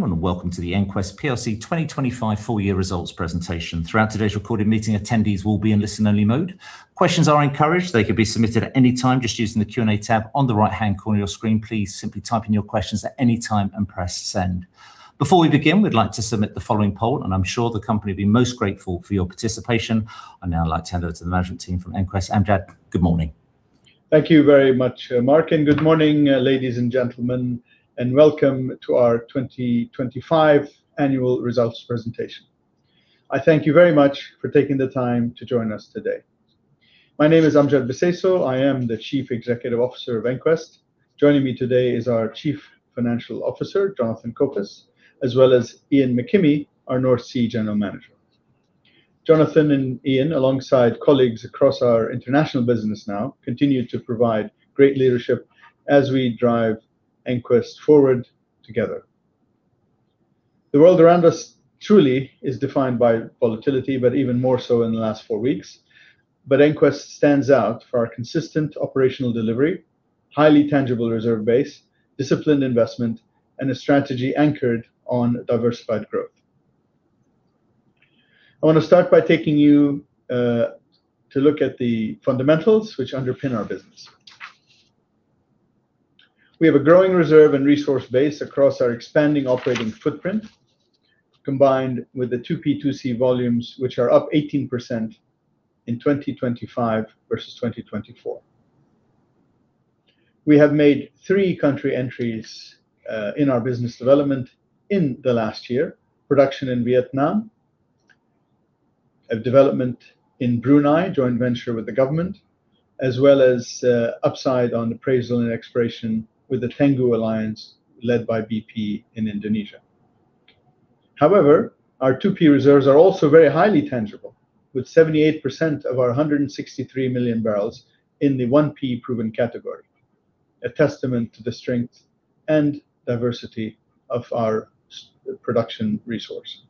Welcome to the EnQuest PLC 2025 full year results presentation. Throughout today's recorded meeting, attendees will be in listen-only mode. Questions are encouraged. They can be submitted at any time just using the Q&A tab on the right-hand corner of your screen. Please simply type in your questions at any time and press Send. Before we begin, we'd like to submit the following poll, and I'm sure the company will be most grateful for your participation. I'd now like to hand over to the management team from EnQuest. Amjad, good morning. Thank you very much, Mark, and good morning, ladies and gentlemen, and welcome to our 2025 annual results presentation. I thank you very much for taking the time to join us today. My name is Amjad Bseisu. I am the Chief Executive Officer of EnQuest. Joining me today is our Chief Financial Officer, Jonathan Copus, as well as Ian McKimmie, our North Sea General Manager. Jonathan and Ian, alongside colleagues across our international business now, continue to provide great leadership as we drive EnQuest forward together. The world around us truly is defined by volatility, but even more so in the last four weeks. EnQuest stands out for our consistent operational delivery, highly tangible reserve base, disciplined investment, and a strategy anchored on diversified growth. I want to start by taking you to look at the fundamentals which underpin our business. We have a growing reserve and resource base across our expanding operating footprint, combined with the 2P2C volumes, which are up 18% in 2025 versus 2024. We have made three country entries in our business development in the last year. Production in Vietnam, a development in Brunei, joint venture with the government, as well as upside on appraisal and exploration with the Tangguh alliance led by BP in Indonesia. However, our 2P reserves are also very highly tangible, with 78% of our 163 million barrels in the 1P proven category, a testament to the strength and diversity of our production resource.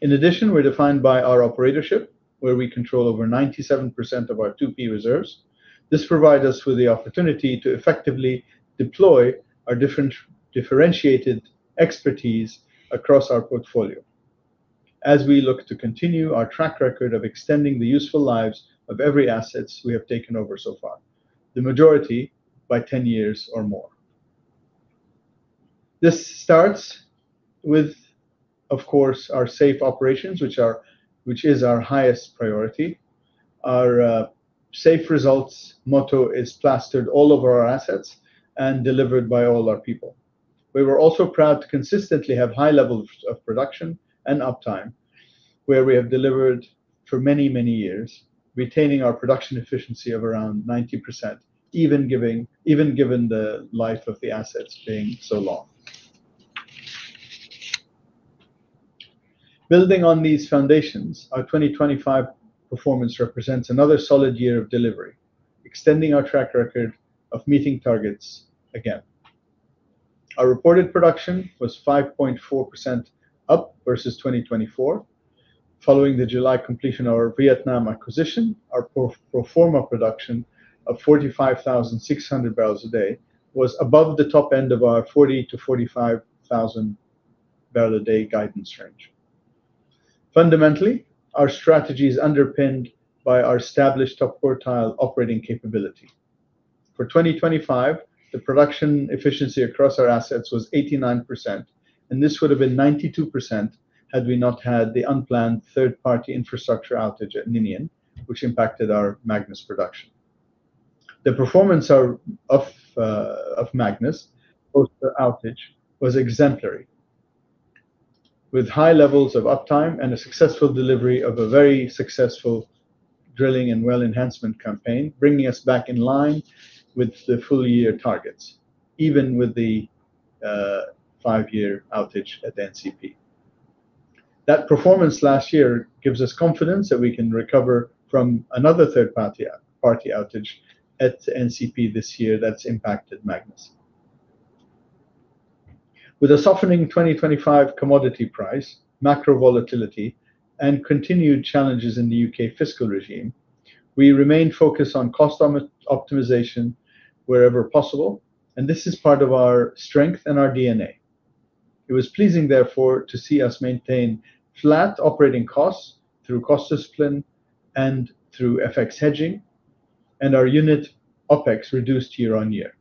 In addition, we're defined by our operatorship, where we control over 97% of our 2P reserves. This provides us with the opportunity to effectively deploy our differentiated expertise across our portfolio. As we look to continue our track record of extending the useful lives of every assets we have taken over so far, the majority by 10 years or more. This starts with, of course, our safe operations, which is our highest priority. Our safe results motto is plastered all over our assets and delivered by all our people. We were also proud to consistently have high levels of production and uptime, where we have delivered for many, many years, retaining our production efficiency of around 90%, even given the life of the assets being so long. Building on these foundations, our 2025 performance represents another solid year of delivery, extending our track record of meeting targets again. Our reported production was 5.4% up versus 2024. Following the July completion of our Vietnam acquisition, our pro forma production of 45,600 barrels a day was above the top end of our 40,000-45,000 barrel a day guidance range. Fundamentally, our strategy is underpinned by our established top quartile operating capability. For 2025, the production efficiency across our assets was 89%, and this would have been 92% had we not had the unplanned third-party infrastructure outage at Ninian, which impacted our Magnus production. The performance of Magnus post the outage was exemplary, with high levels of uptime and a successful delivery of a very successful drilling and well enhancement campaign, bringing us back in line with the full year targets, even with the five-year outage at NCP. That performance last year gives us confidence that we can recover from another third-party outage at NCP this year that's impacted Magnus. With a softening 2025 commodity price, macro volatility, and continued challenges in the U.K. fiscal regime, we remain focused on cost optimization wherever possible, and this is part of our strength and our DNA. It was pleasing, therefore, to see us maintain flat operating costs through cost discipline and through FX hedging, and our unit OpEx reduced year on year.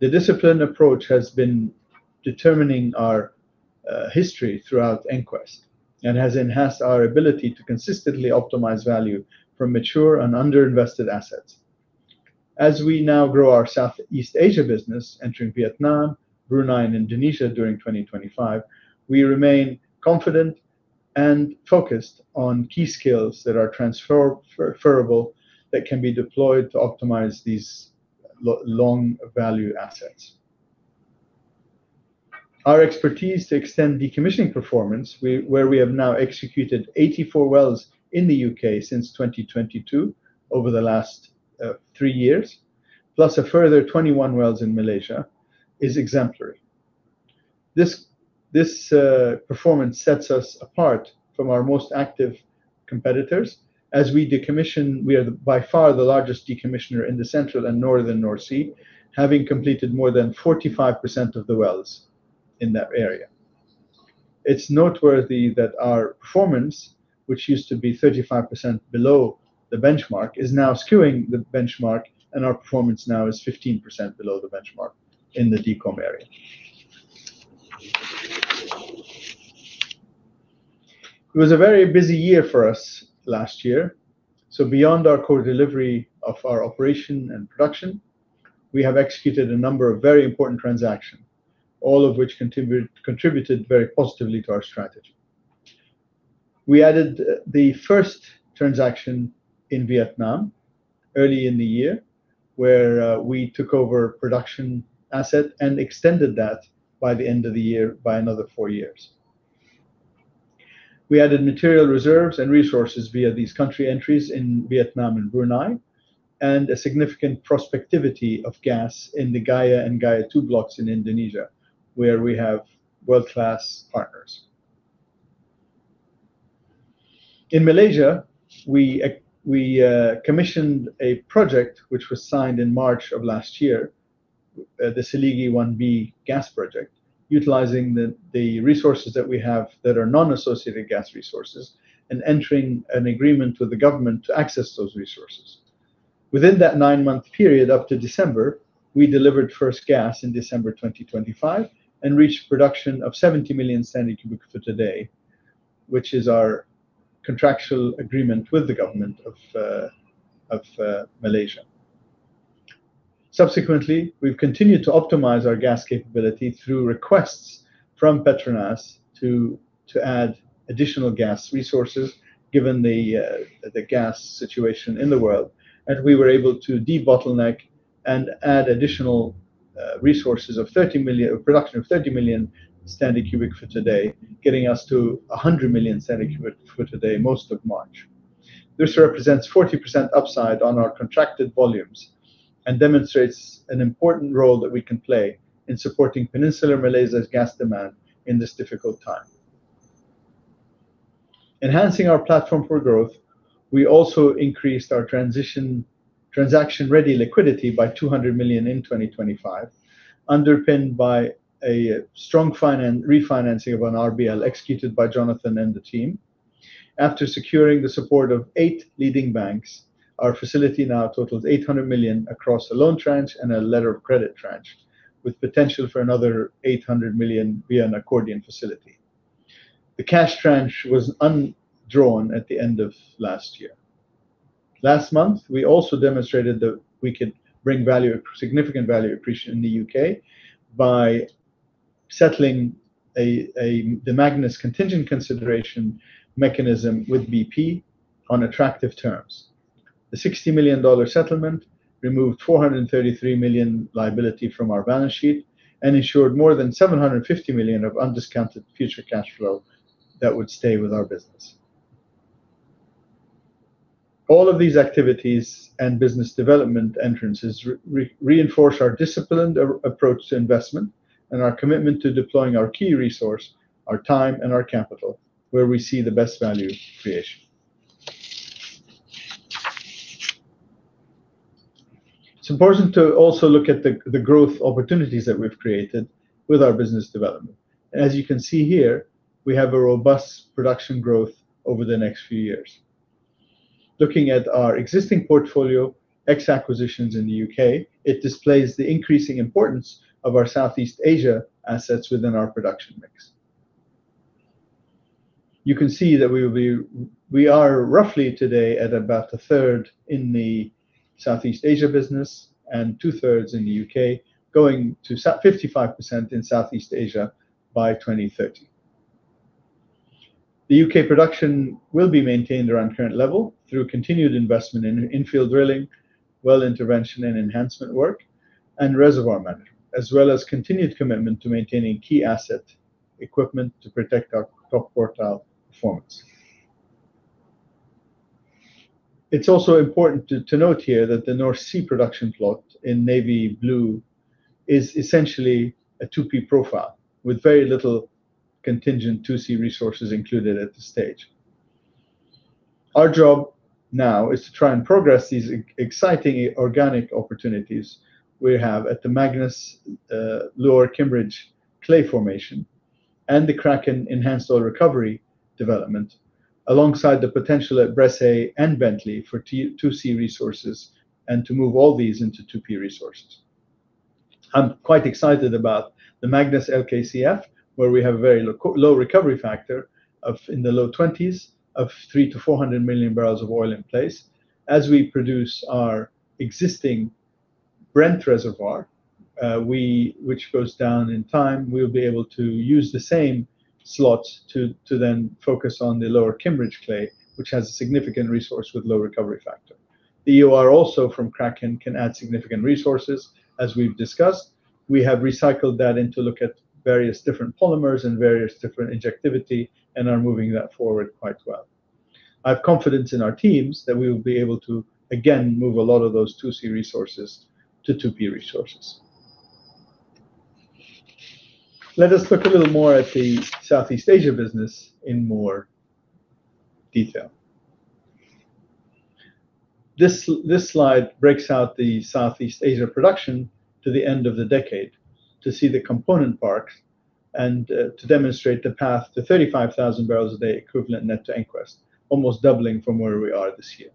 The disciplined approach has been determining our history throughout EnQuest and has enhanced our ability to consistently optimize value from mature and underinvested assets. As we now grow our Southeast Asia business, entering Vietnam, Brunei, and Indonesia during 2025, we remain confident and focused on key skills that are transferable that can be deployed to optimize these long value assets. Our expertise in extending decommissioning performance, where we have now executed 84 wells in the U.K. since 2022 over the last three years, plus a further 21 wells in Malaysia, is exemplary. This performance sets us apart from our most active competitors. As we decommission, we are by far the largest decommissioner in the central and northern North Sea, having completed more than 45% of the wells in that area. It's noteworthy that our performance, which used to be 35% below the benchmark, is now skewing the benchmark, and our performance now is 15% below the benchmark in the decom area. It was a very busy year for us last year, so beyond our core delivery of our operation and production, we have executed a number of very important transactions, all of which contributed very positively to our strategy. We added the first transaction in Vietnam early in the year, where we took over production asset and extended that by the end of the year by another four years. We added material reserves and resources via these country entries in Vietnam and Brunei, and a significant prospectivity of gas in the Gaea and Gaea II blocks in Indonesia, where we have world-class partners. In Malaysia, we commissioned a project which was signed in March of last year, the Seligi 1b gas project, utilizing the resources that we have that are non-associated gas resources and entering an agreement with the government to access those resources. Within that 9-month period up to December, we delivered first gas in December 2025 and reached production of 70 million standard cubic feet a day, which is our contractual agreement with the government of Malaysia. Subsequently, we've continued to optimize our gas capability through requests from Petronas to add additional gas resources, given the gas situation in the world. We were able to de-bottleneck and add additional resources of 30 million standard cubic feet a day, getting us to 100 million standard cubic feet a day most of March. This represents 40% upside on our contracted volumes and demonstrates an important role that we can play in supporting Peninsular Malaysia's gas demand in this difficult time. Enhancing our platform for growth, we also increased our transaction-ready liquidity by $200 million in 2025, underpinned by a strong refinancing of an RBL executed by Jonathan and the team. After securing the support of eight leading banks, our facility now totals $800 million across a loan tranche and a letter of credit tranche, with potential for another $800 million via an accordion facility. The cash tranche was undrawn at the end of last year. Last month, we also demonstrated that we could bring value, significant value appreciation in the U.K. by settling the Magnus contingent consideration mechanism with BP on attractive terms. The $60 million settlement removed $433 million liability from our balance sheet and ensured more than $750 million of undiscounted future cash flow that would stay with our business. All of these activities and business development initiatives reinforce our disciplined approach to investment and our commitment to deploying our key resource, our time and our capital, where we see the best value creation. It's important to also look at the growth opportunities that we've created with our business development. As you can see here, we have a robust production growth over the next few years. Looking at our existing portfolio, ex acquisitions in the U.K., it displays the increasing importance of our Southeast Asia assets within our production mix. You can see that we are roughly today at about 1/3 in the Southeast Asia business and 2/3 in the U.K., going to 55% in Southeast Asia by 2030. The U.K. production will be maintained around current level through continued investment in infield drilling, well intervention and enhancement work, and reservoir management, as well as continued commitment to maintaining key asset equipment to protect our top quartile performance. It's also important to note here that the North Sea production plot in navy blue is essentially a 2P profile with very little contingent 2C resources included at this stage. Our job now is to try and progress these exciting organic opportunities we have at the Magnus, Lower Kimmeridge Clay Formation and the Kraken enhanced oil recovery development, alongside the potential at Bressay and Bentley for 2C resources and to move all these into 2P resources. I'm quite excited about the Magnus LKCF, where we have a very low recovery factor of in the l ow 20s%, of 300-400 million barrels of oil in place. As we produce our existing Brent reservoir, we, which goes down in time, we'll be able to use the same slots to then focus on the Lower Kimmeridge Clay, which has a significant resource with low recovery factor. The EOR also from Kraken can add significant resources. As we've discussed, we have recycled that in to look at various different polymers and various different injectivity and are moving that forward quite well. I have confidence in our teams that we will be able to, again, move a lot of those 2C resources to 2P resources. Let us look a little more at the Southeast Asia business in more detail. This slide breaks out the Southeast Asia production to the end of the decade to see the component parts and to demonstrate the path to 35,000 barrels a day equivalent net to EnQuest, almost doubling from where we are this year.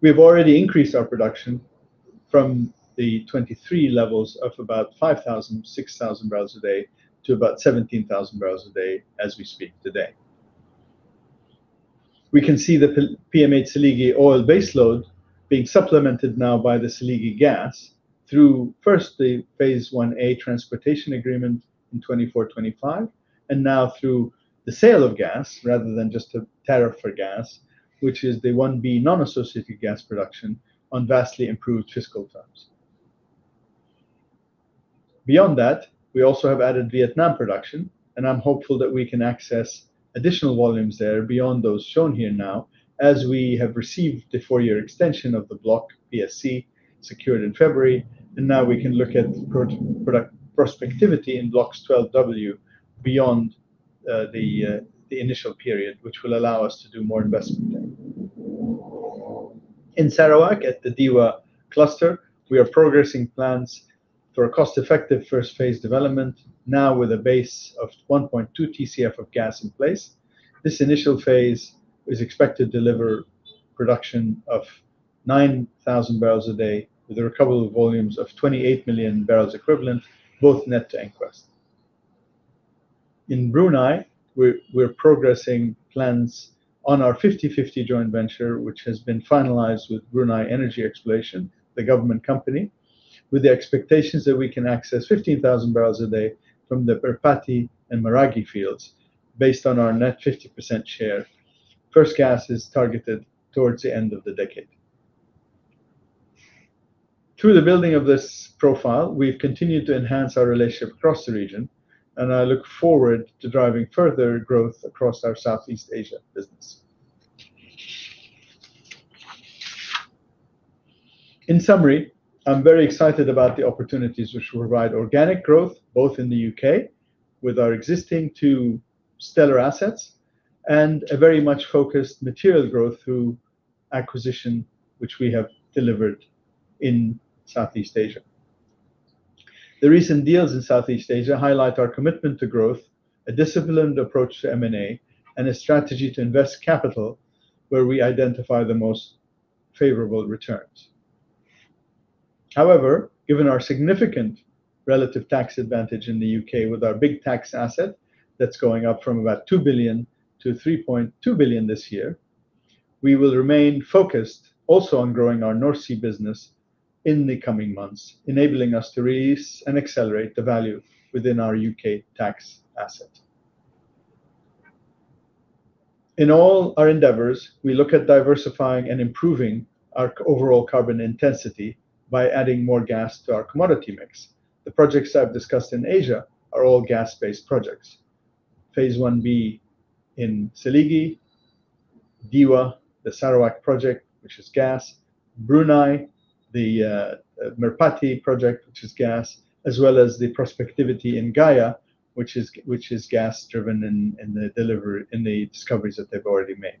We have already increased our production from the 2023 levels of about 5,000-6,000 barrels a day to about 17,000 barrels a day as we speak today. We can see the PM8/Seligi oil baseload being supplemented now by the Seligi gas through first the phase 1a transportation agreement in 2024, 2025, and now through the sale of gas rather than just a tariff for gas, which is the 1b non-associated gas production on vastly improved fiscal terms. Beyond that, we also have added Vietnam production, and I'm hopeful that we can access additional volumes there beyond those shown here now, as we have received the four-year extension of the Block 12W PSC secured in February. Now we can look at prospect prospectivity in Block 12W beyond the initial period, which will allow us to do more investment there. In Sarawak, at the DEWA cluster, we are progressing plans for a cost-effective first phase development now with a base of 1.2 TCF of gas in place. This initial phase is expected to deliver production of 9,000 barrels a day, with a recovery volumes of 28 million barrels equivalent, both net to EnQuest. In Brunei, we're progressing plans on our 50/50 joint venture, which has been finalized with Brunei Energy Exploration, the government company, with the expectations that we can access 15,000 barrels a day from the Merpati and Meragi fields based on our net 50% share. First gas is targeted towards the end of the decade. Through the building of this profile, we've continued to enhance our relationship across the region, and I look forward to driving further growth across our Southeast Asia business. In summary, I'm very excited about the opportunities which will provide organic growth both in the U.K. with our existing two stellar assets and a very much-focused material growth through acquisition which we have delivered in Southeast Asia. The recent deals in Southeast Asia highlight our commitment to growth, a disciplined approach to M&A, and a strategy to invest capital where we identify the most favorable returns. However, given our significant relative tax advantage in the U.K. with our big tax asset that's going up from about $2 billion to $3.2 billion this year, we will remain focused also on growing our North Sea business in the coming months, enabling us to release and accelerate the value within our U.K. tax asset. In all our endeavors, we look at diversifying and improving our overall carbon intensity by adding more gas to our commodity mix. The projects I've discussed in Asia are all gas-based projects. Phase 1B in Seligi, DEWA, the Sarawak project, which is gas, Brunei, the Meragi project, which is gas, as well as the prospectivity in Gaea, which is gas-driven in the discoveries that they've already made.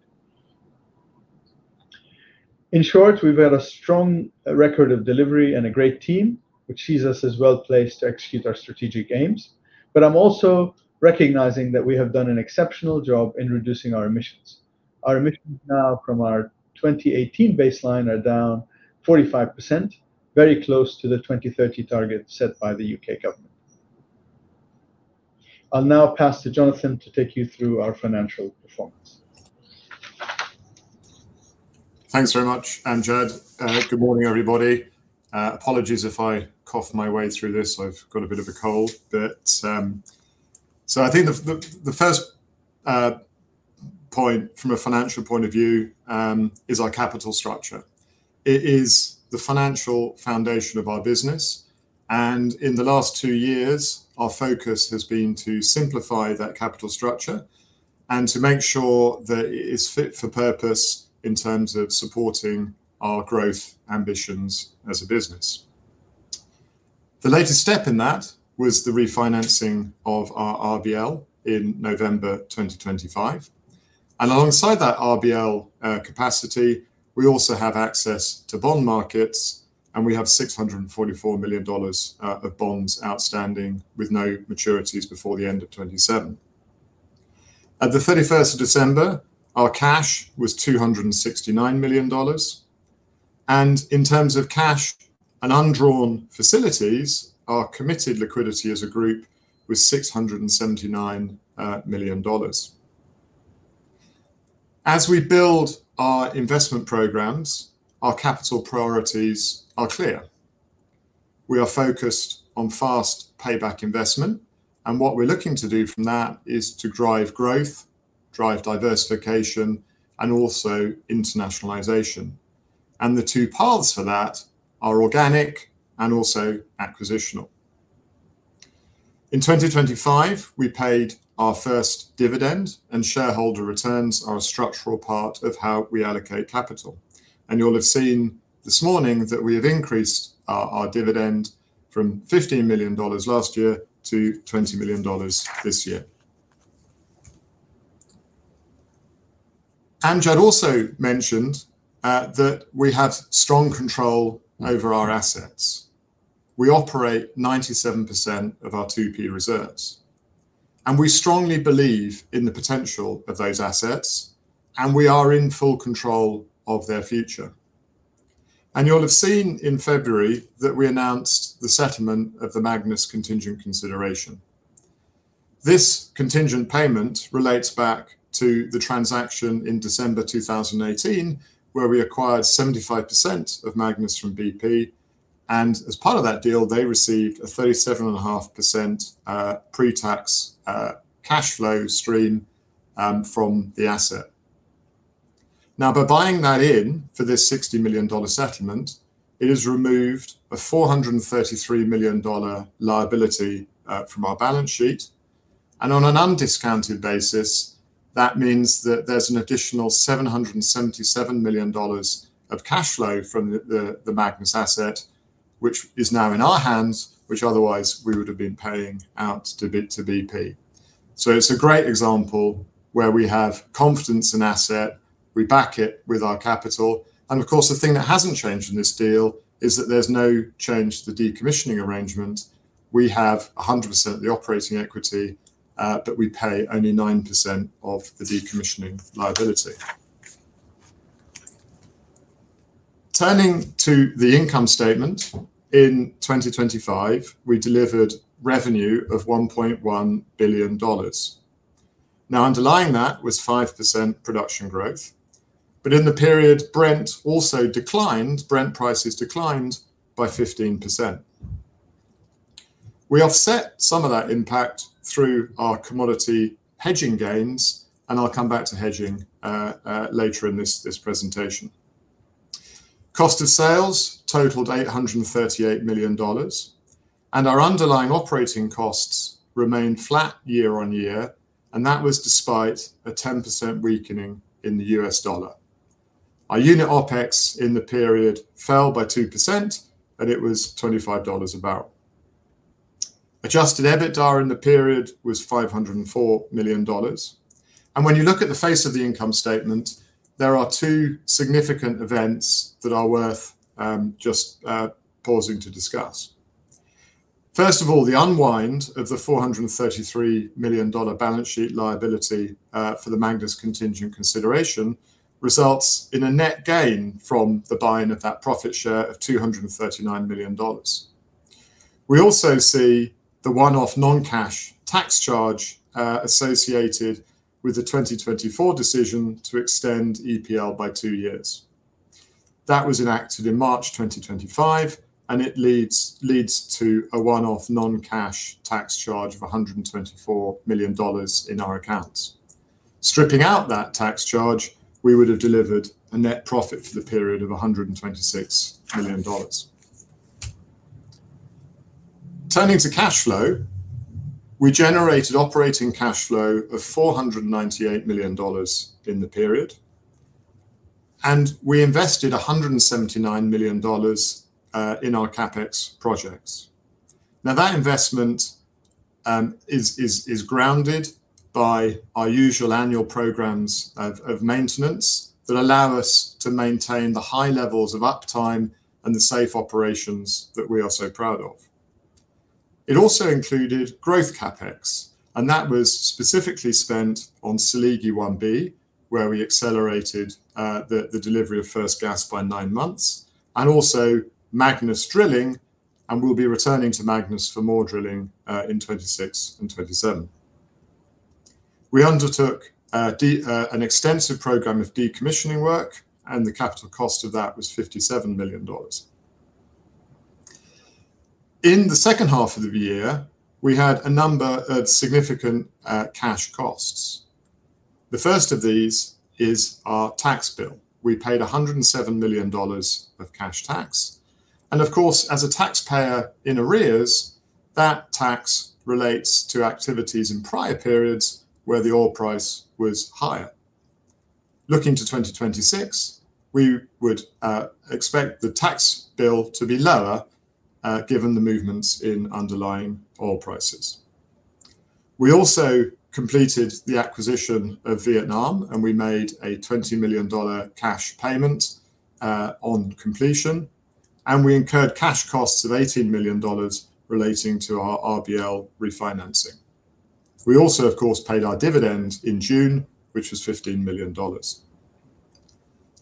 In short, we've had a strong record of delivery and a great team, which sees us as well-placed to execute our strategic aims. I'm also recognizing that we have done an exceptional job in reducing our emissions. Our emissions now from our 2018 baseline are down 45%, very close to the 2030 target set by the U.K. government. I'll now pass to Jonathan to take you through our financial performance. Thanks very much, Amjad. Good morning, everybody. Apologies if I cough my way through this. I've got a bit of a cold. I think the first point from a financial point of view is our capital structure. It is the financial foundation of our business, and in the last two years, our focus has been to simplify that capital structure and to make sure that it is fit for purpose in terms of supporting our growth ambitions as a business. The latest step in that was the refinancing of our RBL in November 2025. Alongside that RBL capacity, we also have access to bond markets, and we have $644 million of bonds outstanding with no maturities before the end of 2027. At the 31st of December, our cash was $269 million. In terms of cash and undrawn facilities, our committed liquidity as a group was $679 million. As we build our investment programs, our capital priorities are clear. We are focused on fast payback investment, and what we're looking to do from that is to drive growth, drive diversification, and also internationalization. The two paths for that are organic and also acquisitional. In 2025, we paid our first dividend, and shareholder returns are a structural part of how we allocate capital. You'll have seen this morning that we have increased our dividend from $15 million last year to $20 million this year. Amjad also mentioned that we have strong control over our assets. We operate 97% of our 2P reserves, and we strongly believe in the potential of those assets, and we are in full control of their future. You'll have seen in February that we announced the settlement of the Magnus contingent consideration. This contingent payment relates back to the transaction in December 2018, where we acquired 75% of Magnus from BP. As part of that deal, they received a 37.5% pre-tax cash flow stream from the asset. Now, by buying that in for this $60 million settlement, it has removed a $433 million liability from our balance sheet. On an undiscounted basis, that means that there's an additional $777 million of cash flow from the Magnus asset, which is now in our hands, which otherwise we would have been paying out to BP. It's a great example where we have confidence in the asset, we back it with our capital. Of course, the thing that hasn't changed in this deal is that there's no change to the decommissioning arrangement. We have 100% of the operating equity, but we pay only 9% of the decommissioning liability. Turning to the income statement, in 2025, we delivered revenue of $1.1 billion. Now underlying that was 5% production growth. In the period, Brent also declined. Brent prices declined by 15%. We offset some of that impact through our commodity hedging gains, and I'll come back to hedging later in this presentation. Cost of sales totaled $838 million, and our underlying operating costs remained flat year-on-year, and that was despite a 10% weakening in the U.S. dollar. Our unit OpEx in the period fell by 2%, and it was $25 a barrel. Adjusted EBITDA in the period was $504 million. When you look at the face of the income statement, there are two significant events that are worth pausing to discuss. First of all, the unwind of the $433 million balance sheet liability for the Magnus contingent consideration results in a net gain from the buying of that profit share of $239 million. We also see the one-off non-cash tax charge associated with the 2024 decision to extend EPL by two years. That was enacted in March 2025, and it leads to a one-off non-cash tax charge of $124 million in our accounts. Stripping out that tax charge, we would have delivered a net profit for the period of $126 million. Turning to cash flow, we generated operating cash flow of $498 million in the period, and we invested $179 million in our CapEx projects. Now, that investment is grounded by our usual annual programs of maintenance that allow us to maintain the high levels of uptime and the safe operations that we are so proud of. It also included growth CapEx, and that was specifically spent on Seligi 1b, where we accelerated the delivery of first gas by nine months, and also Magnus drilling, and we'll be returning to Magnus for more drilling in 2026 and 2027. We undertook an extensive program of decommissioning work, and the capital cost of that was $57 million. In the second half of the year, we had a number of significant cash costs. The first of these is our tax bill. We paid $107 million of cash tax. Of course, as a taxpayer in arrears, that tax relates to activities in prior periods where the oil price was higher. Looking to 2026, we would expect the tax bill to be lower given the movements in underlying oil prices. We also completed the acquisition of Vietnam, and we made a $20 million cash payment on completion, and we incurred cash costs of $18 million relating to our RBL refinancing. We also of course paid our dividend in June, which was $15 million.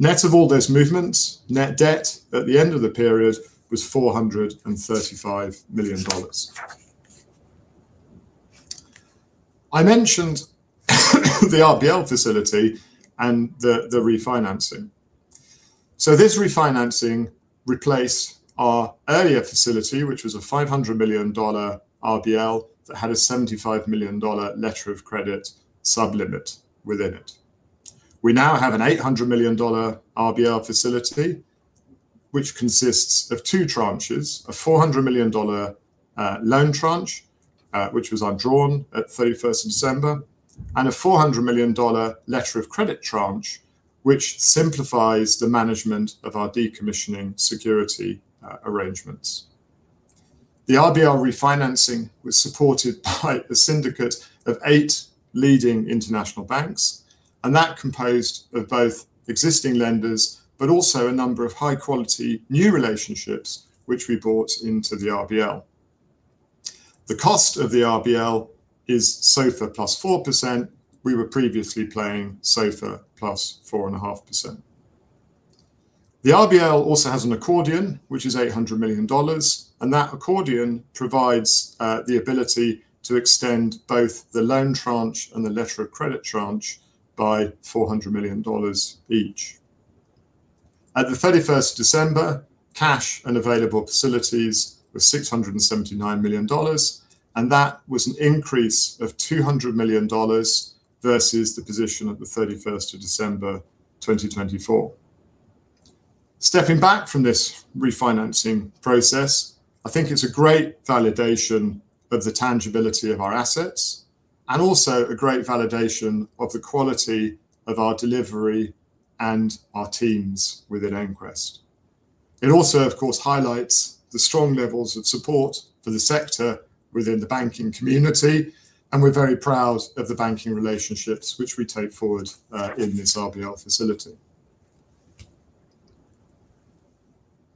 Net of all those movements, net debt at the end of the period was $435 million. I mentioned the RBL facility and the refinancing. This refinancing replaced our earlier facility, which was a $500 million RBL that had a $75 million letter of credit sub-limit within it. We now have an $800 million RBL facility which consists of two tranches: a $400 million loan tranche, which was undrawn at 31st of December, and a $400 million letter of credit tranche, which simplifies the management of our decommissioning security arrangements. The RBL refinancing was supported by the syndicate of eight leading international banks, and that composed of both existing lenders, but also a number of high quality new relationships which we brought into the RBL. The cost of the RBL is SOFR plus 4%. We were previously paying SOFR plus 4.5%. The RBL also has an accordion, which is $800 million. That accordion provides the ability to extend both the loan tranche and the letter of credit tranche by $400 million each. At the 31st of December, cash and available facilities were $679 million, and that was an increase of $200 million versus the position at the 31st of December 2024. Stepping back from this refinancing process, I think it's a great validation of the tangibility of our assets, and also a great validation of the quality of our delivery and our teams within EnQuest. It also, of course, highlights the strong levels of support for the sector within the banking community, and we're very proud of the banking relationships which we take forward in this RBL facility.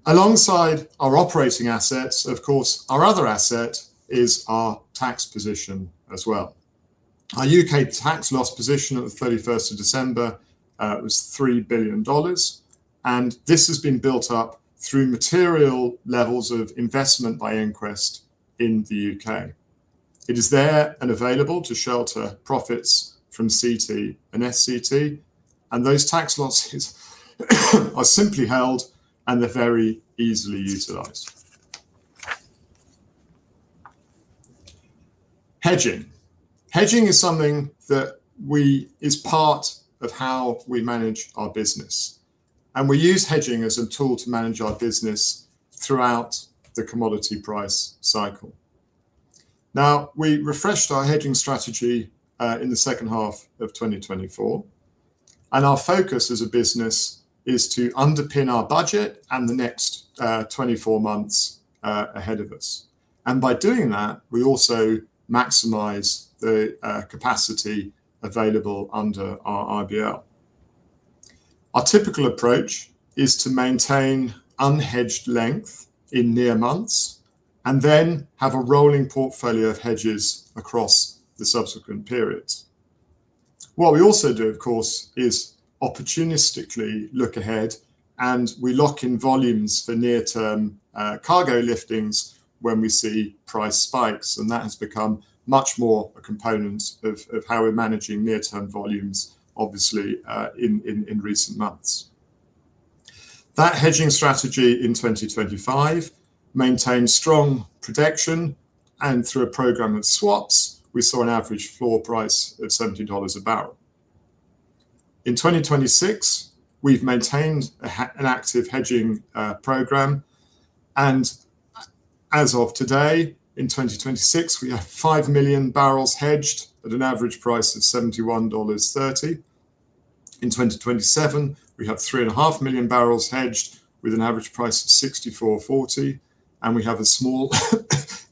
Alongside our operating assets, of course, our other asset is our tax position as well. Our U.K. tax loss position at the 31st of December was $3 billion, and this has been built up through material levels of investment by EnQuest in the U.K.. It is there and available to shelter profits from CT and SCT, and those tax losses are simply held, and they're very easily utilized. Hedging. Hedging is something that is part of how we manage our business. We use hedging as a tool to manage our business throughout the commodity price cycle. Now, we refreshed our hedging strategy in the second half of 2024, and our focus as a business is to underpin our budget and the next 24 months ahead of us. By doing that, we also maximize the capacity available under our RBL. Our typical approach is to maintain unhedged length in near months, and then have a rolling portfolio of hedges across the subsequent periods. What we also do, of course, is opportunistically look ahead, and we lock in volumes for near-term cargo liftings when we see price spikes, and that has become much more a component of how we're managing near-term volumes, obviously, in recent months. That hedging strategy in 2025 maintained strong protection, and through a program of swaps, we saw an average floor price of $70 a barrel. In 2026, we've maintained an active hedging program. As of today, in 2026, we have 5 million barrels hedged at an average price of $71.30. In 2027, we have 3.5 million barrels hedged with an average price of $64.40, and we have a small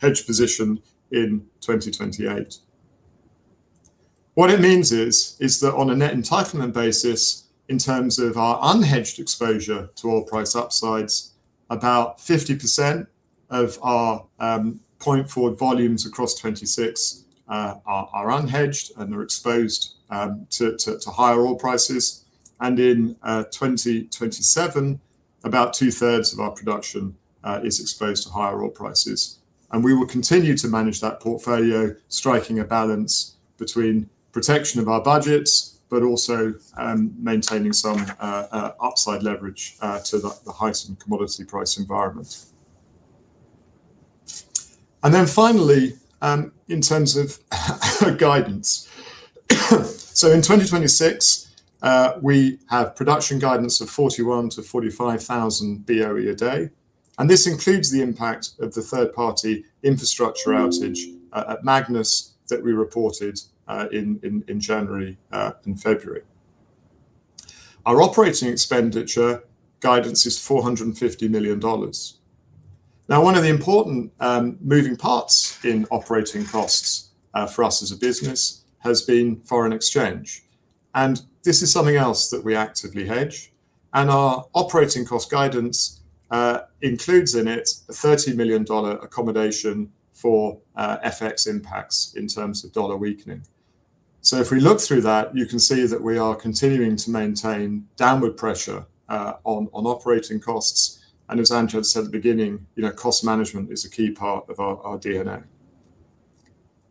hedge position in 2028. What it means is that on a net entitlement basis, in terms of our unhedged exposure to oil price upsides, about 50% of our point forward volumes across 2026 are unhedged, and they're exposed to higher oil prices. In 2027, about two-thirds of our production is exposed to higher oil prices. We will continue to manage that portfolio, striking a balance between protection of our budgets, but also maintaining some upside leverage to the heightened commodity price environment. Then finally, in terms of guidance. In 2026, we have production guidance of 41,000-45,000 BOE a day, and this includes the impact of the third-party infrastructure outage at Magnus that we reported in January and February. Our operating expenditure guidance is $450 million. Now, one of the important moving parts in operating costs for us as a business has been foreign exchange, and this is something else that we actively hedge. Our operating cost guidance includes in it a $30 million accommodation for FX impacts in terms of dollar weakening. If we look through that, you can see that we are continuing to maintain downward pressure on operating costs. As Amjad had said at the beginning, you know, cost management is a key part of our DNA.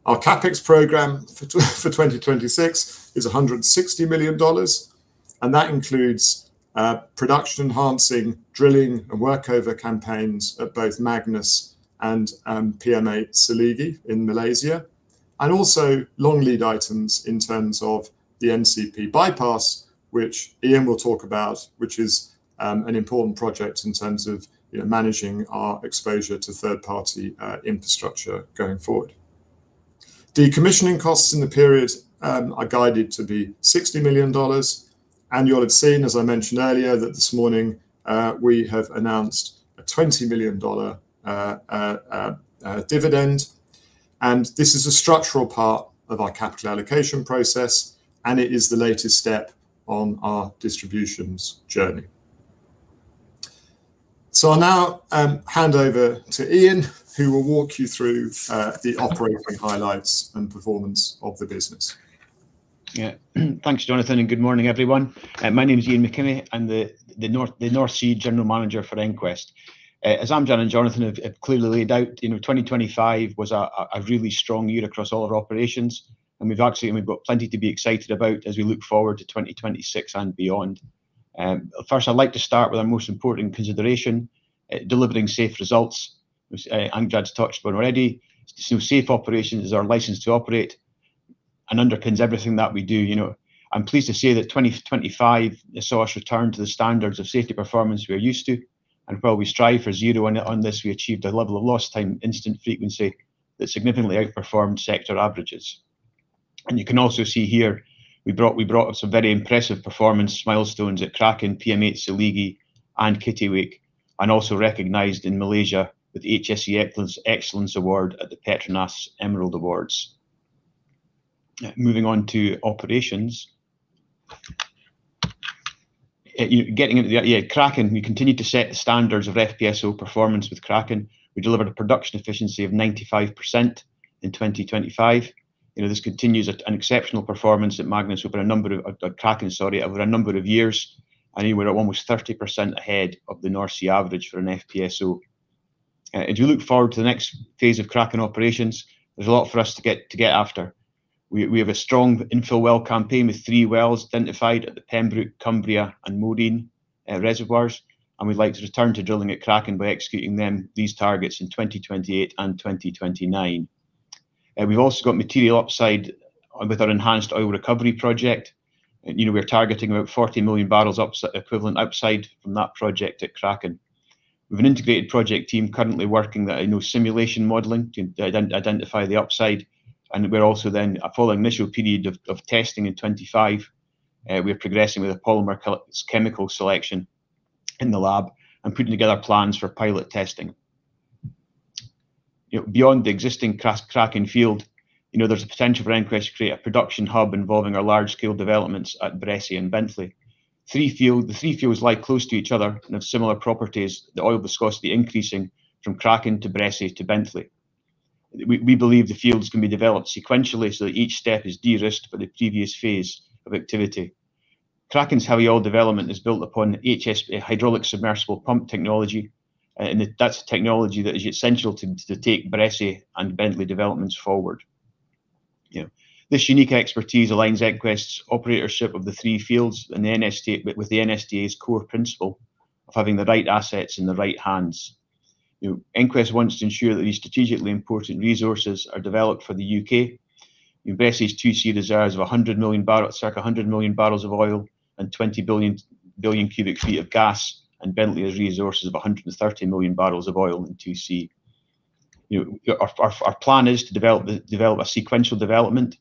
Our CapEx program for 2026 is $160 million, and that includes production-enhancing drilling and workover campaigns at both Magnus and PM8/Seligi in Malaysia. Also long lead items in terms of the NCP bypass, which Ian will talk about, which is an important project in terms of, you know, managing our exposure to third-party infrastructure going forward. Decommissioning costs in the period are guided to be $60 million. You will have seen, as I mentioned earlier, that this morning we have announced a $20 million dividend. This is a structural part of our capital allocation process, and it is the latest step on our distributions journey. I'll now hand over to Ian, who will walk you through the operating highlights and performance of the business. Yeah. Thanks, Jonathan, and good morning, everyone. My name is Ian McKimmie. I'm the North Sea General Manager for EnQuest. As Amjad and Jonathan have clearly laid out, you know, 2025 was a really strong year across all our operations, and we've got plenty to be excited about as we look forward to 2026 and beyond. First, I'd like to start with our most important consideration, delivering safe results, which Amjad's touched upon already. Safe operations is our license to operate and underpins everything that we do, you know. I'm pleased to say that 2025, I saw us return to the standards of safety performance we are used to, and while we strive for zero on this, we achieved a level of lost time incident frequency that significantly outperformed sector averages. You can also see here we brought up some very impressive performance milestones at Kraken, PM8/Seligi, and Kittiwake, and also recognized in Malaysia with HSE Excellence Award at the PETRONAS Emerald Awards. Moving on to operations. Kraken, we continued to set the standards of FPSO performance with Kraken. We delivered a production efficiency of 95% in 2025. You know, this continues at an exceptional performance at Magnus over a number of years, and we're at almost 30% ahead of the North Sea average for an FPSO. As you look forward to the next phase of Kraken operations, there's a lot for us to get after. We have a strong infill well campaign with three wells identified at the Pembroke, Cumbria, and Modine reservoirs, and we'd like to return to drilling at Kraken by executing these targets in 2028 and 2029. We've also got material upside with our enhanced oil recovery project. You know, we're targeting about 40 million barrels of oil equivalent upside from that project at Kraken. We have an integrated project team currently working on simulation modeling to identify the upside, and we're also, following initial period of testing in 2025, progressing with a polymer chemical selection in the lab and putting together plans for pilot testing. You know, beyond the existing Kraken field, you know, there's a potential for EnQuest to create a production hub involving our large scale developments at Bressay and Bentley. The three fields lie close to each other and have similar properties, the oil viscosity increasing from Kraken to Bressay to Bentley. We believe the fields can be developed sequentially so that each step is de-risked for the previous phase of activity. Kraken's heavy oil development is built upon HSP, hydraulic submersible pump technology, and that's the technology that is essential to take Bressay and Bentley developments forward. You know, this unique expertise aligns EnQuest's operatorship of the three fields with the NSTA's core principle of having the right assets in the right hands. You know, EnQuest wants to ensure that these strategically important resources are developed for the UK. Bressay's 2C reserves of circa 100 million barrels of oil and 20 billion cubic feet of gas, and Bentley has resources of 130 million barrels of oil in 2C. You know, our plan is to develop a sequential development,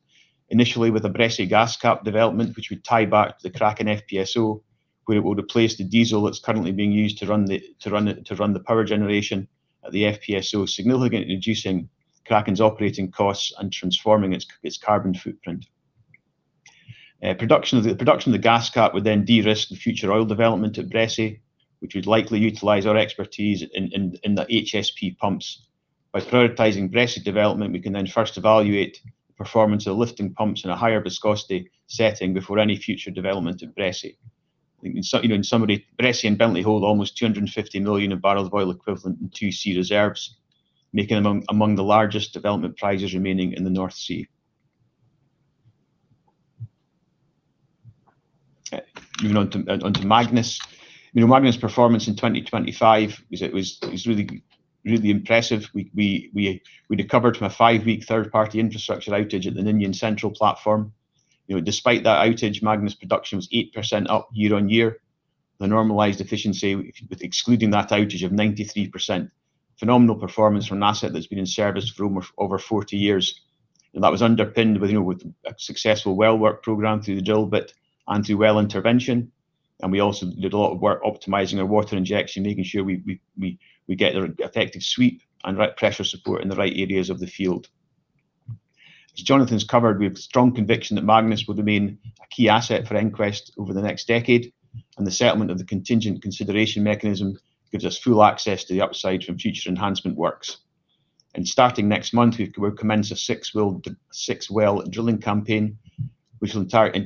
initially with a Bressay gas cap development, which would tie back to the Kraken FPSO, where it will replace the diesel that's currently being used to run the power generation at the FPSO, significantly reducing Kraken's operating costs and transforming its carbon footprint. Production of the gas cap would then de-risk the future oil development at Bressay, which would likely utilize our expertise in the HSP pumps. By prioritizing Bressay development, we can then first evaluate the performance of lifting pumps in a higher viscosity setting before any future development at Bressay. You know, in summary, Bressay and Bentley hold almost 250 million barrels of oil equivalent in 2C reserves, making them among the largest development prizes remaining in the North Sea. Moving on to Magnus. You know, Magnus performance in 2025 was really impressive. We recovered from a 5-week third-party infrastructure outage at the Ninian Central Platform. You know, despite that outage, Magnus production was 8% up year-over-year. The normalized efficiency, excluding that outage, of 93%, phenomenal performance from an asset that's been in service for over 40 years. That was underpinned with, you know, with a successful well work program through the drill bit and through well intervention. We also did a lot of work optimizing our water injection, making sure we get the effective sweep and right pressure support in the right areas of the field. As Jonathan's covered, we have strong conviction that Magnus will remain a key asset for EnQuest over the next decade, and the settlement of the contingent consideration mechanism gives us full access to the upside from future enhancement works. Starting next month, we'll commence a six-well drilling campaign, which will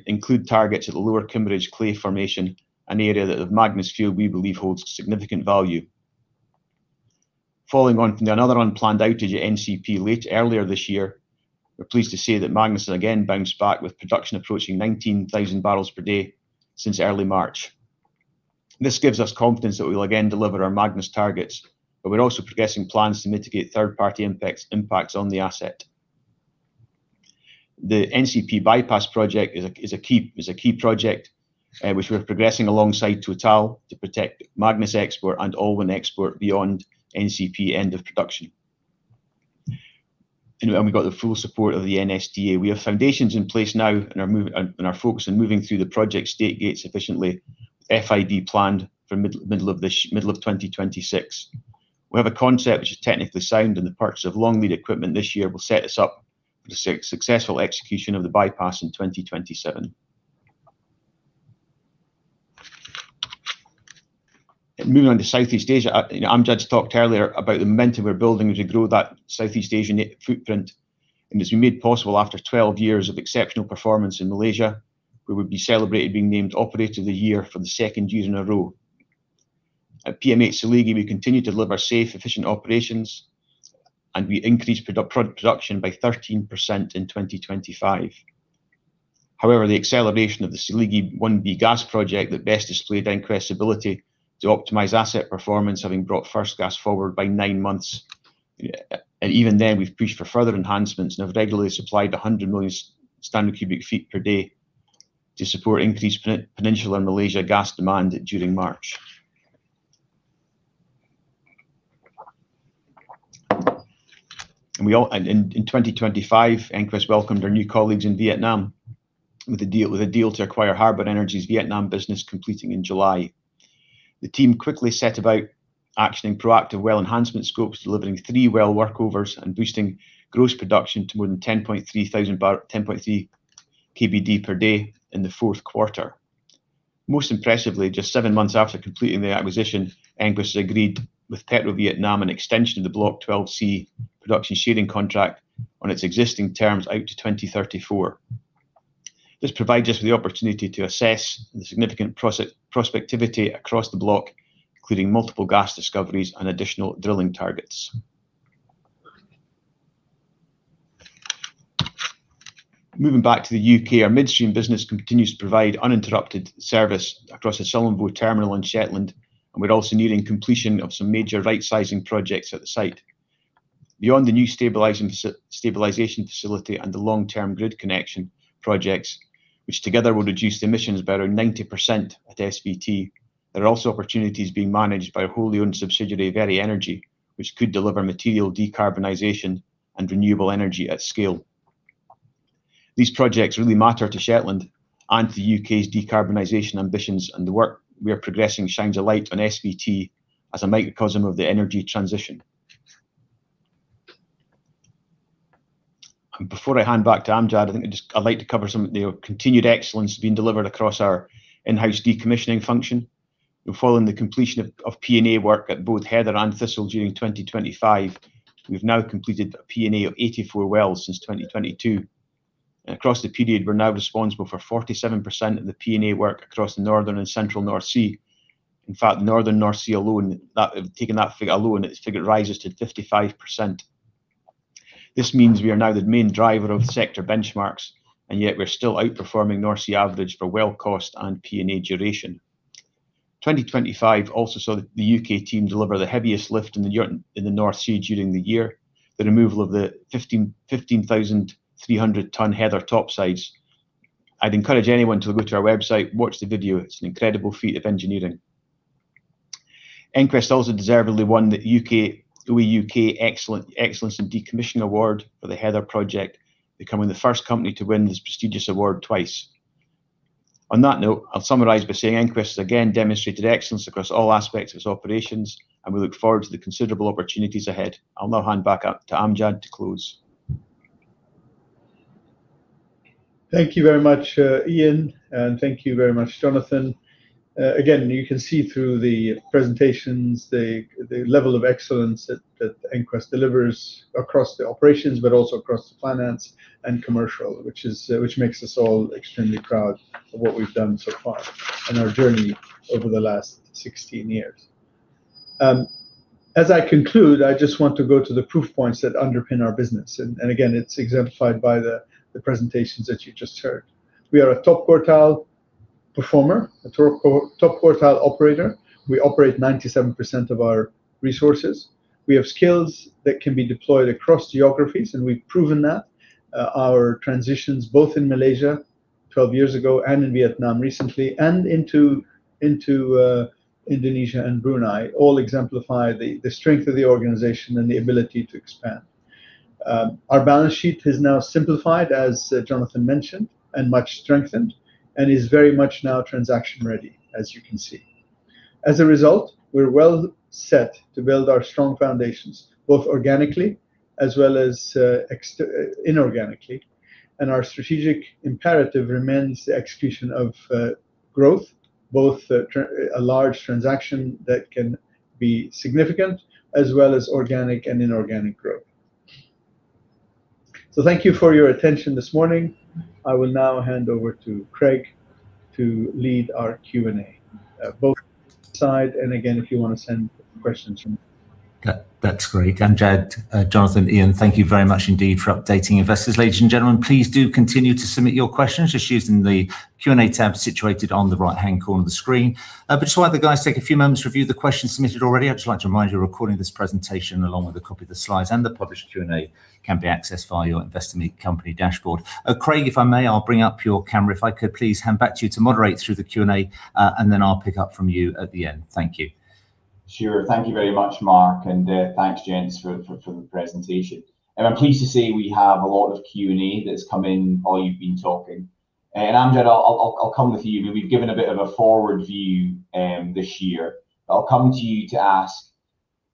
include targets at the Lower Kimmeridge Clay Formation, an area that at Magnus field we believe holds significant value. Following on from another unplanned outage at NCP earlier this year, we're pleased to say that Magnus has again bounced back with production approaching 19,000 barrels per day since early March. This gives us confidence that we'll again deliver our Magnus targets, but we're also progressing plans to mitigate third-party impacts on the asset. The NCP Bypass Project is a key project, which we're progressing alongside Total to protect Magnus export and Alwyn export beyond NCP end of production. We've got the full support of the NSTA. We have foundations in place now and are focused on moving through the project's gate efficiently, FID planned for middle of 2026. We have a concept which is technically sound, and the purchase of long-lead equipment this year will set us up for the successful execution of the bypass in 2027. Moving on to Southeast Asia. You know, Amjad talked earlier about the momentum we're building as we grow that Southeast Asian footprint, and it was made possible after 12 years of exceptional performance in Malaysia, where we celebrated being named Operator of the Year for the second year in a row. At PM8/Seligi, we continue to deliver safe, efficient operations, and we increased production by 13% in 2025. However, the acceleration of the Seligi 1b gas project that best displayed EnQuest's ability to optimize asset performance, having brought first gas forward by nine months. Even then, we've pushed for further enhancements and have regularly supplied 100 million standard cubic feet per day to support increased Peninsular Malaysia gas demand during March. In 2025, EnQuest welcomed our new colleagues in Vietnam with a deal to acquire Harbour Energy's Vietnam business, completing in July. The team quickly set about actioning proactive well enhancement scopes, delivering three well workovers and boosting gross production to more than 10.3 kbd per day in the fourth quarter. Most impressively, just seven months after completing the acquisition, EnQuest has agreed with PetroVietnam an extension of the Block 12C production sharing contract on its existing terms out to 2034. This provides us with the opportunity to assess the significant prospectivity across the block, including multiple gas discoveries and additional drilling targets. Moving back to the U.K., our midstream business continues to provide uninterrupted service across the Sullom Voe Terminal in Shetland, and we're also nearing completion of some major rightsizing projects at the site. Beyond the new stabilization facility and the long-term grid connection projects, which together will reduce emissions by around 90% at SVT, there are also opportunities being managed by wholly-owned subsidiary, Veri Energy, which could deliver material decarbonization and renewable energy at scale. These projects really matter to Shetland and to the U.K.'s decarbonization ambitions, and the work we are progressing shines a light on SVT as a microcosm of the energy transition. Before I hand back to Amjad, I think I'd like to cover some of the continued excellence being delivered across our in-house decommissioning function. Following the completion of P&A work at both Heather and Thistle during 2025, we've now completed P&A of 84 wells since 2022. Across the period, we're now responsible for 47% of the P&A work across the northern and central North Sea. In fact, northern North Sea alone, this figure rises to 55%. This means we are now the main driver of sector benchmarks, and yet we're still outperforming North Sea average for well cost and P&A duration. 2025 also saw the U.K. team deliver the heaviest lift in the North Sea during the year, the removal of the 15,300-ton Heather topsides. I'd encourage anyone to go to our website, watch the video. It's an incredible feat of engineering. EnQuest also deservedly won the U.K. OEUK Excellence in Decommissioning Award for the Heather project, becoming the first company to win this prestigious award twice. On that note, I'll summarize by saying EnQuest has again demonstrated excellence across all aspects of its operations, and we look forward to the considerable opportunities ahead. I'll now hand back out to Amjad to close. Thank you very much, Ian, and thank you very much, Jonathan. Again, you can see through the presentations the level of excellence that EnQuest delivers across the operations, but also across the finance and commercial, which makes us all extremely proud of what we've done so far in our journey over the last 16 years. As I conclude, I just want to go to the proof points that underpin our business, and again, it's exemplified by the presentations that you just heard. We are a top quartile performer, a top quartile operator. We operate 97% of our resources. We have skills that can be deployed across geographies, and we've proven that. Our transitions, both in Malaysia 12 years ago and in Vietnam recently and into Indonesia and Brunei, all exemplify the strength of the organization and the ability to expand. Our balance sheet is now simplified, as Jonathan mentioned, and much strengthened and is very much now transaction ready, as you can see. As a result, we're well set to build our strong foundations, both organically as well as inorganically, and our strategic imperative remains the execution of growth, both a large transaction that can be significant as well as organic and inorganic growth. Thank you for your attention this morning. I will now hand over to Craig to lead our Q&A. Both sides, and again, if you wanna send questions from That's great. Amjad, Jonathan, Ian, thank you very much indeed for updating investors. Ladies and gentlemen, please do continue to submit your questions just using the Q&A tab situated on the right-hand corner of the screen. Just while the guys take a few moments to review the questions submitted already, I'd just like to remind you that a recording of this presentation, along with a copy of the slides and the published Q&A, can be accessed via your Investor Meet Company dashboard. Craig, if I may, I'll bring up your camera if I could please. Hand back to you to moderate through the Q&A, and then I'll pick up from you at the end. Thank you. Sure. Thank you very much, Mark, and thanks gents for the presentation. I'm pleased to say we have a lot of Q&A that's come in while you've been talking. Amjad, I'll come with you. We've given a bit of a forward view this year, but I'll come to you to ask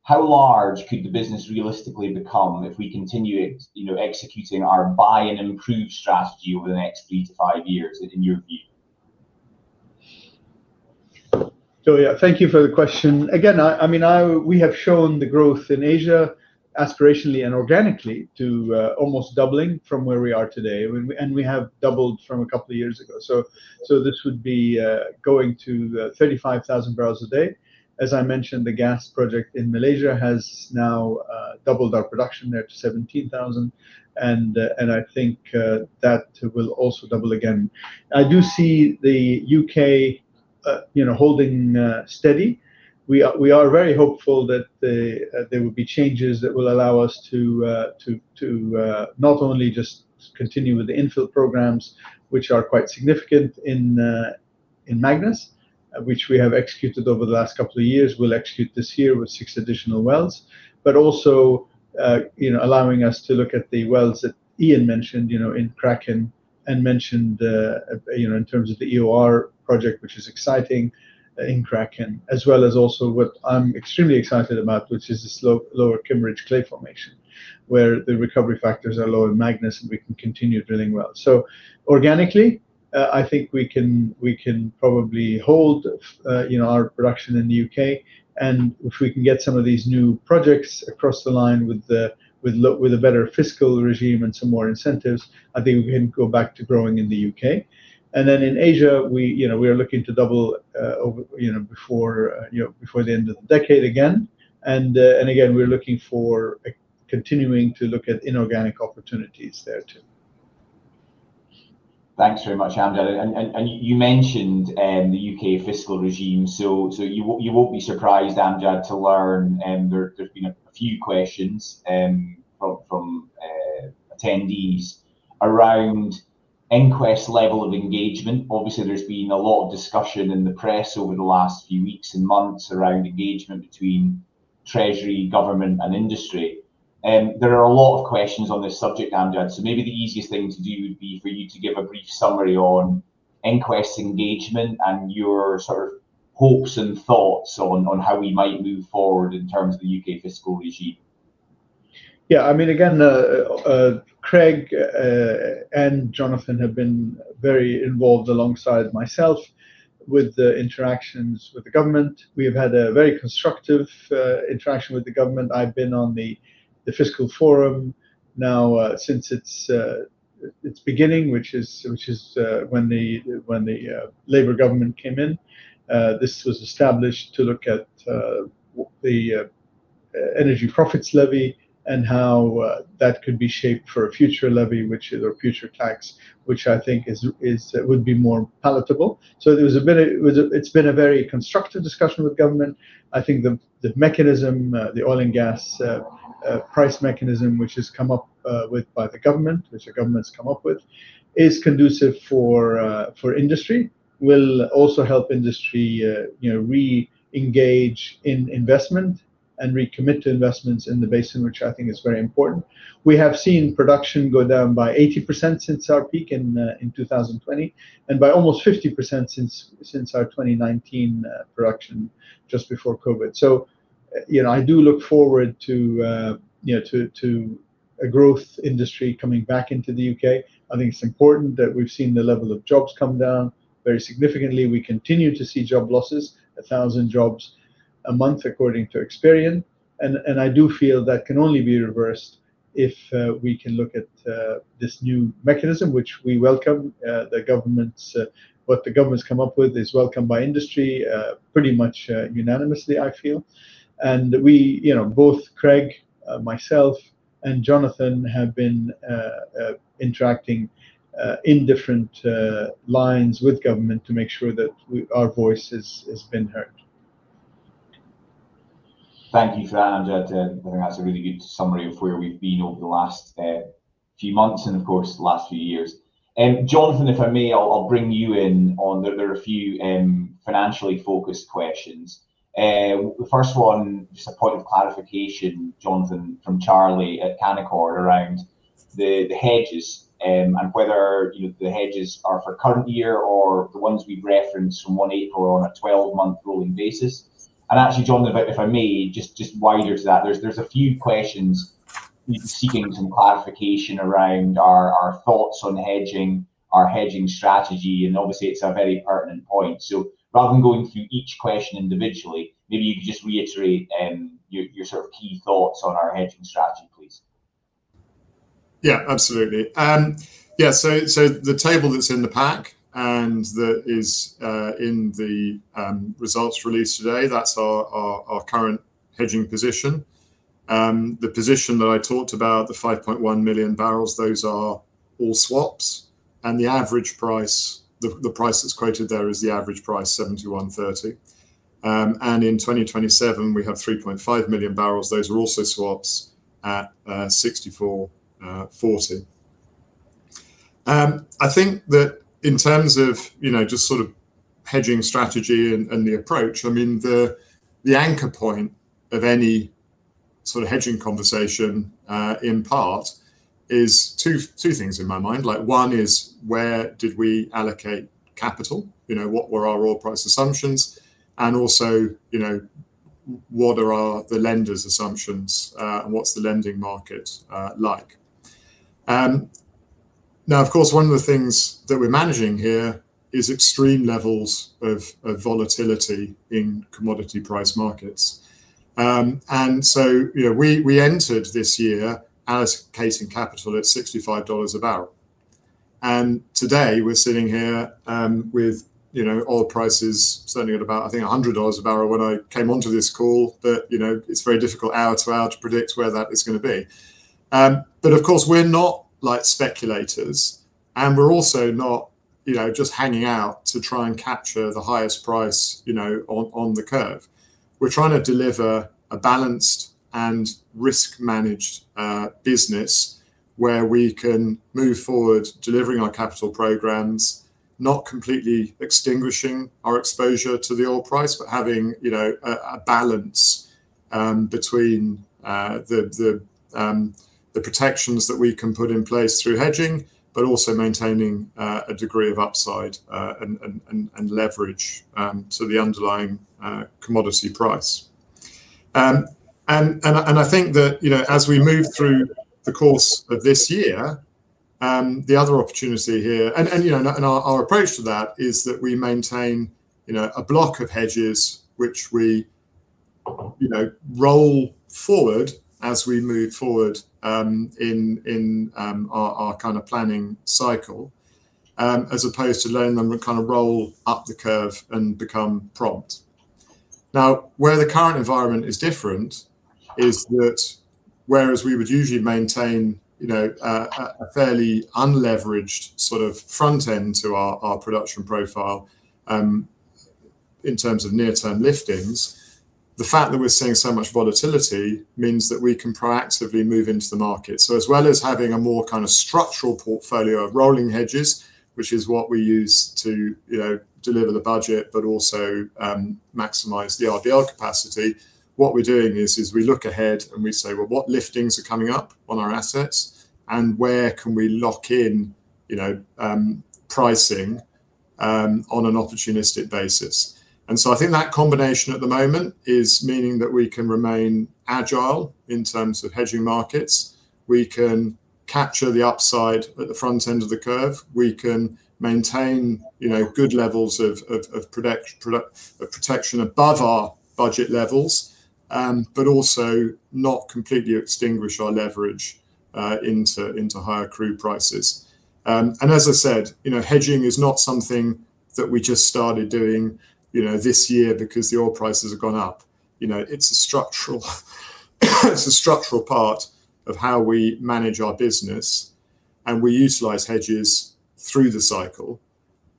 how large could the business realistically become if we continue, you know, executing our buy and improve strategy over the next three to five years, in your view? Thank you for the question. Again, I mean, we have shown the growth in Asia aspirationally and organically to almost doubling from where we are today. We have doubled from a couple of years ago. This would be going to 35,000 barrels a day. As I mentioned, the gas project in Malaysia has now doubled our production there to 17,000, and I think that will also double again. I do see the U.K. you know holding steady. We are very hopeful that there will be changes that will allow us to not only just continue with the infill programs, which are quite significant in Magnus, which we have executed over the last couple of years. We'll execute this year with six additional wells. Also, you know, allowing us to look at the wells that Ian mentioned, you know, in Kraken and mentioned, you know, in terms of the EOR project, which is exciting, in Kraken, as well as also what I'm extremely excited about, which is the Lower Kimmeridge Clay Formation, where the recovery factors are lower in Magnus, and we can continue drilling wells. Organically, I think we can, we can probably hold, you know, our production in the U.K., and if we can get some of these new projects across the line with a better fiscal regime and some more incentives, I think we can go back to growing in the U.K. Then in Asia, we, you know, are looking to double before the end of the decade again. Again, we're continuing to look at inorganic opportunities there too. Thanks very much, Amjad. You mentioned the U.K. fiscal regime. You won't be surprised, Amjad, to learn there's been a few questions from attendees around EnQuest's level of engagement. Obviously, there's been a lot of discussion in the press over the last few weeks and months around engagement between Treasury, Government, and industry. There are a lot of questions on this subject, Amjad. Maybe the easiest thing to do would be for you to give a brief summary on EnQuest's engagement and your sort of hopes and thoughts on how we might move forward in terms of the U.K. fiscal regime. I mean, again, Craig and Jonathan have been very involved alongside myself with the interactions with the government. We have had a very constructive interaction with the government. I've been on the Fiscal Forum now since its beginning, which is when the Labour government came in. This was established to look at the Energy Profits Levy and how that could be shaped for a future levy, which is our future tax, which I think would be more palatable. It's been a very constructive discussion with government. I think the oil and gas price mechanism, which the government's come up with, is conducive for industry, will also help industry, you know, re-engage in investment and recommit to investments in the basin, which I think is very important. We have seen production go down by 80% since our peak in 2020, and by almost 50% since our 2019 production just before COVID. You know, I do look forward to a growth industry coming back into the U.K. I think it's important that we've seen the level of jobs come down very significantly. We continue to see job losses, 1,000 jobs a month according to Experian. I do feel that can only be reversed if we can look at this new mechanism, which we welcome. What the government's come up with is welcomed by industry pretty much unanimously, I feel. We, you know, both Craig, myself, and Jonathan have been interacting in different lines with government to make sure that our voice has been heard. Thank you for that, Amjad. I think that's a really good summary of where we've been over the last few months and of course the last few years. Jonathan, if I may, I'll bring you in on. There are a few financially focused questions. The first one, just a point of clarification, Jonathan, from Charlie at Canaccord around the hedges and whether the hedges are for current year or the ones we've referenced from 1 April on a 12-month rolling basis. Actually, Jonathan, if I may, just wider to that, there's a few questions seeking some clarification around our thoughts on hedging, our hedging strategy, and obviously it's a very pertinent point. Rather than going through each question individually, maybe you could just reiterate your sort of key thoughts on our hedging strategy, please? Yeah, absolutely. Yeah, so the table that's in the pack and that is in the results released today, that's our current hedging position. The position that I talked about, the 5.1 million barrels, those are all swaps, and the average price, the price that's quoted there is the average price $71.30. And in 2027 we have 3.5 million barrels. Those are also swaps at $64.40. I think that in terms of, you know, just sort of hedging strategy and the approach, I mean, the anchor point of any sort of hedging conversation in part is two things in my mind. Like, one is where did we allocate capital? You know, what were our oil price assumptions? And also, you know, what are our... The lender's assumptions, and what's the lending market like? Now of course, one of the things that we're managing here is extreme levels of volatility in commodity price markets. You know, we entered this year assuming CapEx at $65 a barrel. Today we're sitting here, with, you know, oil prices certainly at about, I think, $100 a barrel when I came onto this call. You know, it's very difficult hour to hour to predict where that is gonna be. Of course we're not like speculators, and we're also not, you know, just hanging out to try and capture the highest price, you know, on the curve. We're trying to deliver a balanced and risk-managed business where we can move forward delivering our capital programs, not completely extinguishing our exposure to the oil price, but having, you know, a balance between the protections that we can put in place through hedging, but also maintaining a degree of upside and leverage to the underlying commodity price. I think that, you know, as we move through the course of this year, the other opportunity here, you know, our approach to that is that we maintain, you know, a block of hedges, which we, you know, roll forward as we move forward in our kind of planning cycle, as opposed to letting them kind of roll up the curve and become prompt. Now, where the current environment is different is that whereas we would usually maintain, you know, a fairly unleveraged sort of front end to our production profile, in terms of near term liftings, the fact that we're seeing so much volatility means that we can proactively move into the market. As well as having a more kind of structural portfolio of rolling hedges, which is what we use to, you know, deliver the budget, but also, maximize the RBL capacity, what we're doing is we look ahead and we say, "Well, what liftings are coming up on our assets, and where can we lock in, you know, pricing, on an opportunistic basis?" I think that combination at the moment is meaning that we can remain agile in terms of hedging markets. We can capture the upside at the front end of the curve. We can maintain, you know, good levels of protection above our budget levels, but also not completely extinguish our leverage into higher crude prices. As I said, you know, hedging is not something that we just started doing, you know, this year because the oil prices have gone up. You know, it's a structural part of how we manage our business, and we utilize hedges through the cycle.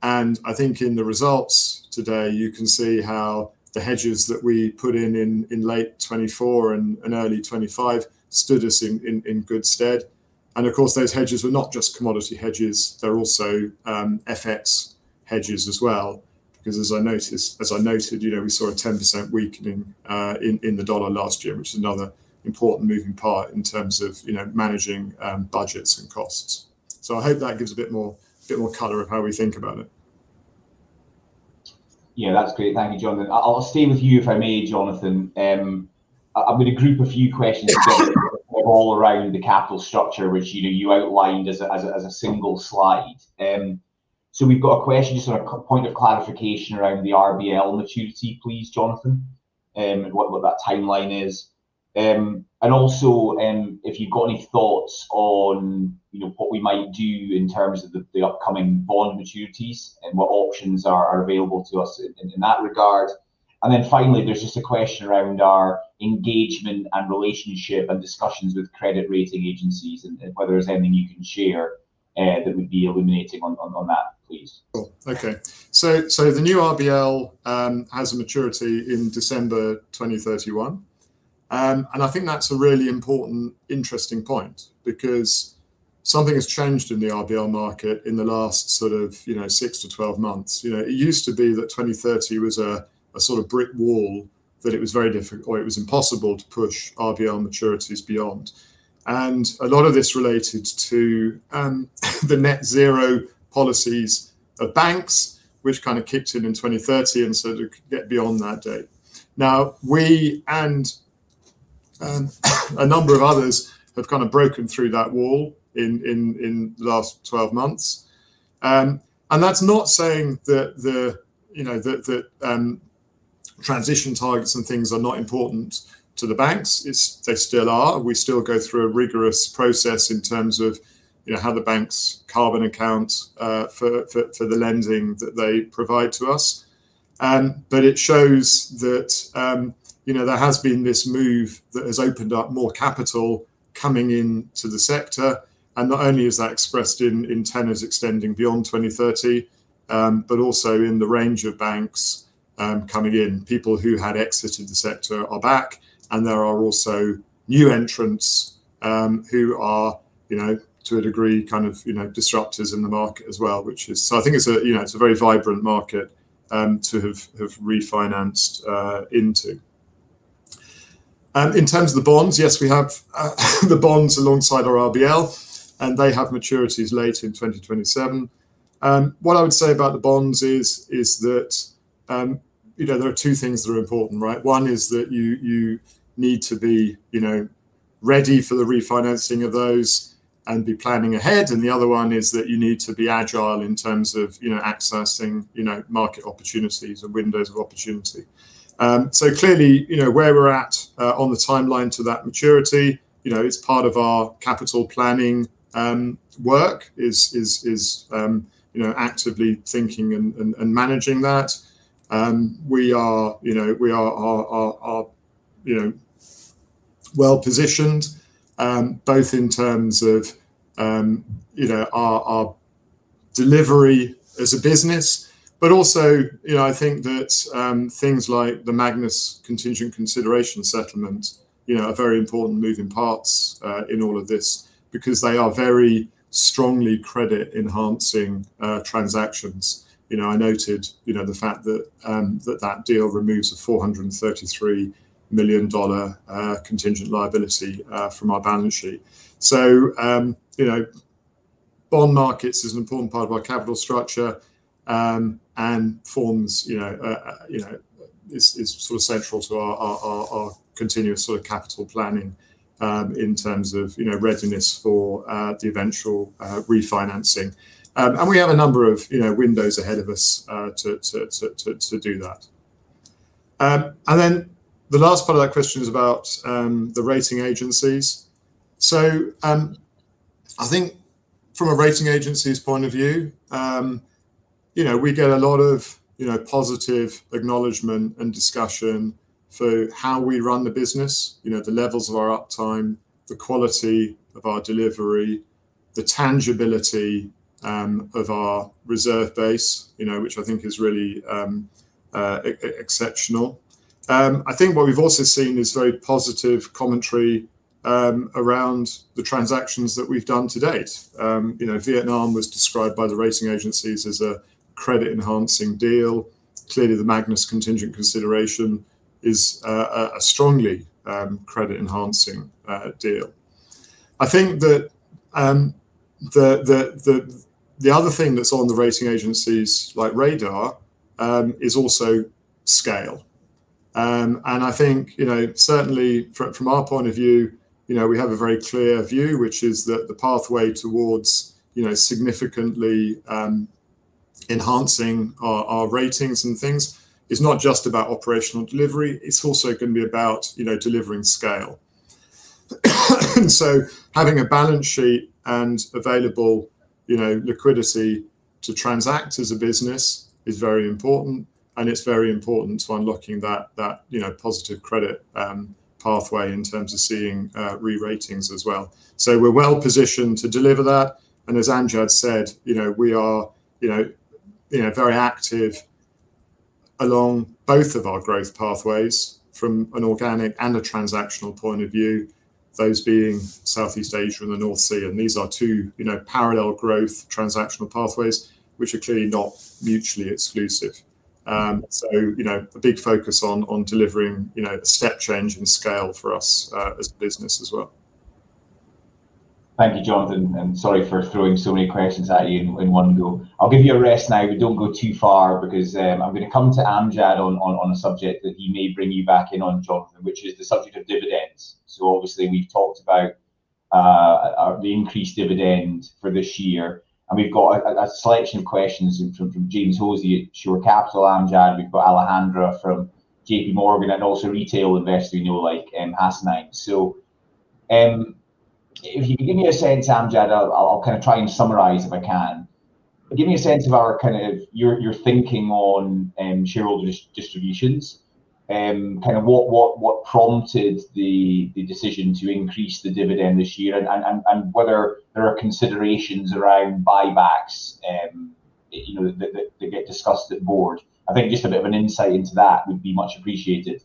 I think in the results today you can see how the hedges that we put in in late 2024 and early 2025 stood us in good stead. Of course, those hedges were not just commodity hedges, they're also FX hedges as well. Because as I noted, you know, we saw a 10% weakening in the dollar last year, which is another important moving part in terms of, you know, managing budgets and costs. I hope that gives a bit more color of how we think about it. Yeah, that's great. Thank you, Jonathan. I'll stay with you, if I may, Jonathan. I'm gonna group a few questions all around the capital structure, which, you know, you outlined as a single slide. So we've got a question, just kinda a point of clarification around the RBL maturity please, Jonathan, and what that timeline is. And also, if you've got any thoughts on, you know, what we might do in terms of the upcoming bond maturities and what options are available to us in that regard. Then finally, there's just a question around our engagement and relationship and discussions with credit rating agencies and whether there's anything you can share that would be illuminating on that, please. Cool. Okay. The new RBL has a maturity in December 2031. I think that's a really important, interesting point because something has changed in the RBL market in the last sort of, you know, 6-12 months. You know, it used to be that 2030 was a sort of brick wall, that it was very difficult or it was impossible to push RBL maturities beyond. A lot of this related to the net zero policies of banks, which kind of kicked in in 2030, and so they couldn't get beyond that date. Now, we and a number of others have kind of broken through that wall in the last 12 months. That's not saying that the, you know, the transition targets and things are not important to the banks. It's. They still are. We still go through a rigorous process in terms of, you know, how the bank's carbon accounts for the lending that they provide to us. But it shows that, you know, there has been this move that has opened up more capital coming into the sector, and not only is that expressed in tenors extending beyond 2030, but also in the range of banks coming in. People who had exited the sector are back, and there are also new entrants, who are, you know, to a degree, kind of, you know, disruptors in the market as well. I think it's a, you know, it's a very vibrant market to have refinanced into. In terms of the bonds, yes, we have the bonds alongside our RBL, and they have maturities late in 2027. What I would say about the bonds is that you know, there are two things that are important, right? One is that you need to be you know, ready for the refinancing of those and be planning ahead, and the other one is that you need to be agile in terms of you know, accessing you know, market opportunities and windows of opportunity. Clearly, you know, where we're at on the timeline to that maturity, you know, is part of our capital planning work, is actively thinking and managing that. We are, you know, well-positioned both in terms of, you know, our delivery as a business, but also, you know, I think that things like the Magnus contingent consideration settlement, you know, are very important moving parts in all of this because they are very strongly credit-enhancing transactions. You know, I noted, you know, the fact that that deal removes a $433 million contingent liability from our balance sheet. You know, bond markets is an important part of our capital structure, and forms, you know, is sort of central to our continuous sort of capital planning in terms of, you know, readiness for the eventual refinancing. We have a number of, you know, windows ahead of us, to do that. The last part of that question is about the rating agencies. I think from a rating agency's point of view, you know, we get a lot of, you know, positive acknowledgment and discussion for how we run the business, you know, the levels of our uptime, the quality of our delivery, the tangibility of our reserve base, you know, which I think is really exceptional. I think what we've also seen is very positive commentary around the transactions that we've done to date. You know, Vietnam was described by the rating agencies as a credit-enhancing deal. Clearly, the Magnus contingent consideration is a strongly credit-enhancing deal. I think that, the other thing that's on the rating agencies', like, radar, is also scale. I think, you know, certainly from our point of view, you know, we have a very clear view, which is that the pathway towards, you know, significantly, enhancing our ratings and things is not just about operational delivery. It's also gonna be about, you know, delivering scale. Having a balance sheet and available, you know, liquidity to transact as a business is very important, and it's very important to unlocking that, you know, positive credit pathway in terms of seeing re-ratings as well. We're well positioned to deliver that, and as Amjad said, you know, we are, you know, you know, very active along both of our growth pathways from an organic and a transactional point of view, those being Southeast Asia and the North Sea. These are two, you know, parallel growth transactional pathways, which are clearly not mutually exclusive. You know, a big focus on delivering, you know, a step change in scale for us, as a business as well. Thank you, Jonathan, and sorry for throwing so many questions at you in one go. I'll give you a rest now, but don't go too far because I'm gonna come to Amjad on a subject that he may bring you back in on, Jonathan, which is the subject of dividends. Obviously we've talked about the increased dividend for this year, and we've got a selection of questions from James Hosie at Shore Capital, Amjad. We've got Alejandra from JPMorgan and also a retail investor, you know, like, Asnine. If you could give me a sense, Amjad, I'll kind of try and summarize if I can. Give me a sense of our kind of your thinking on shareholder distributions, kind of what prompted the decision to increase the dividend this year and whether there are considerations around buybacks, you know, that get discussed at board. I think just a bit of an insight into that would be much appreciated.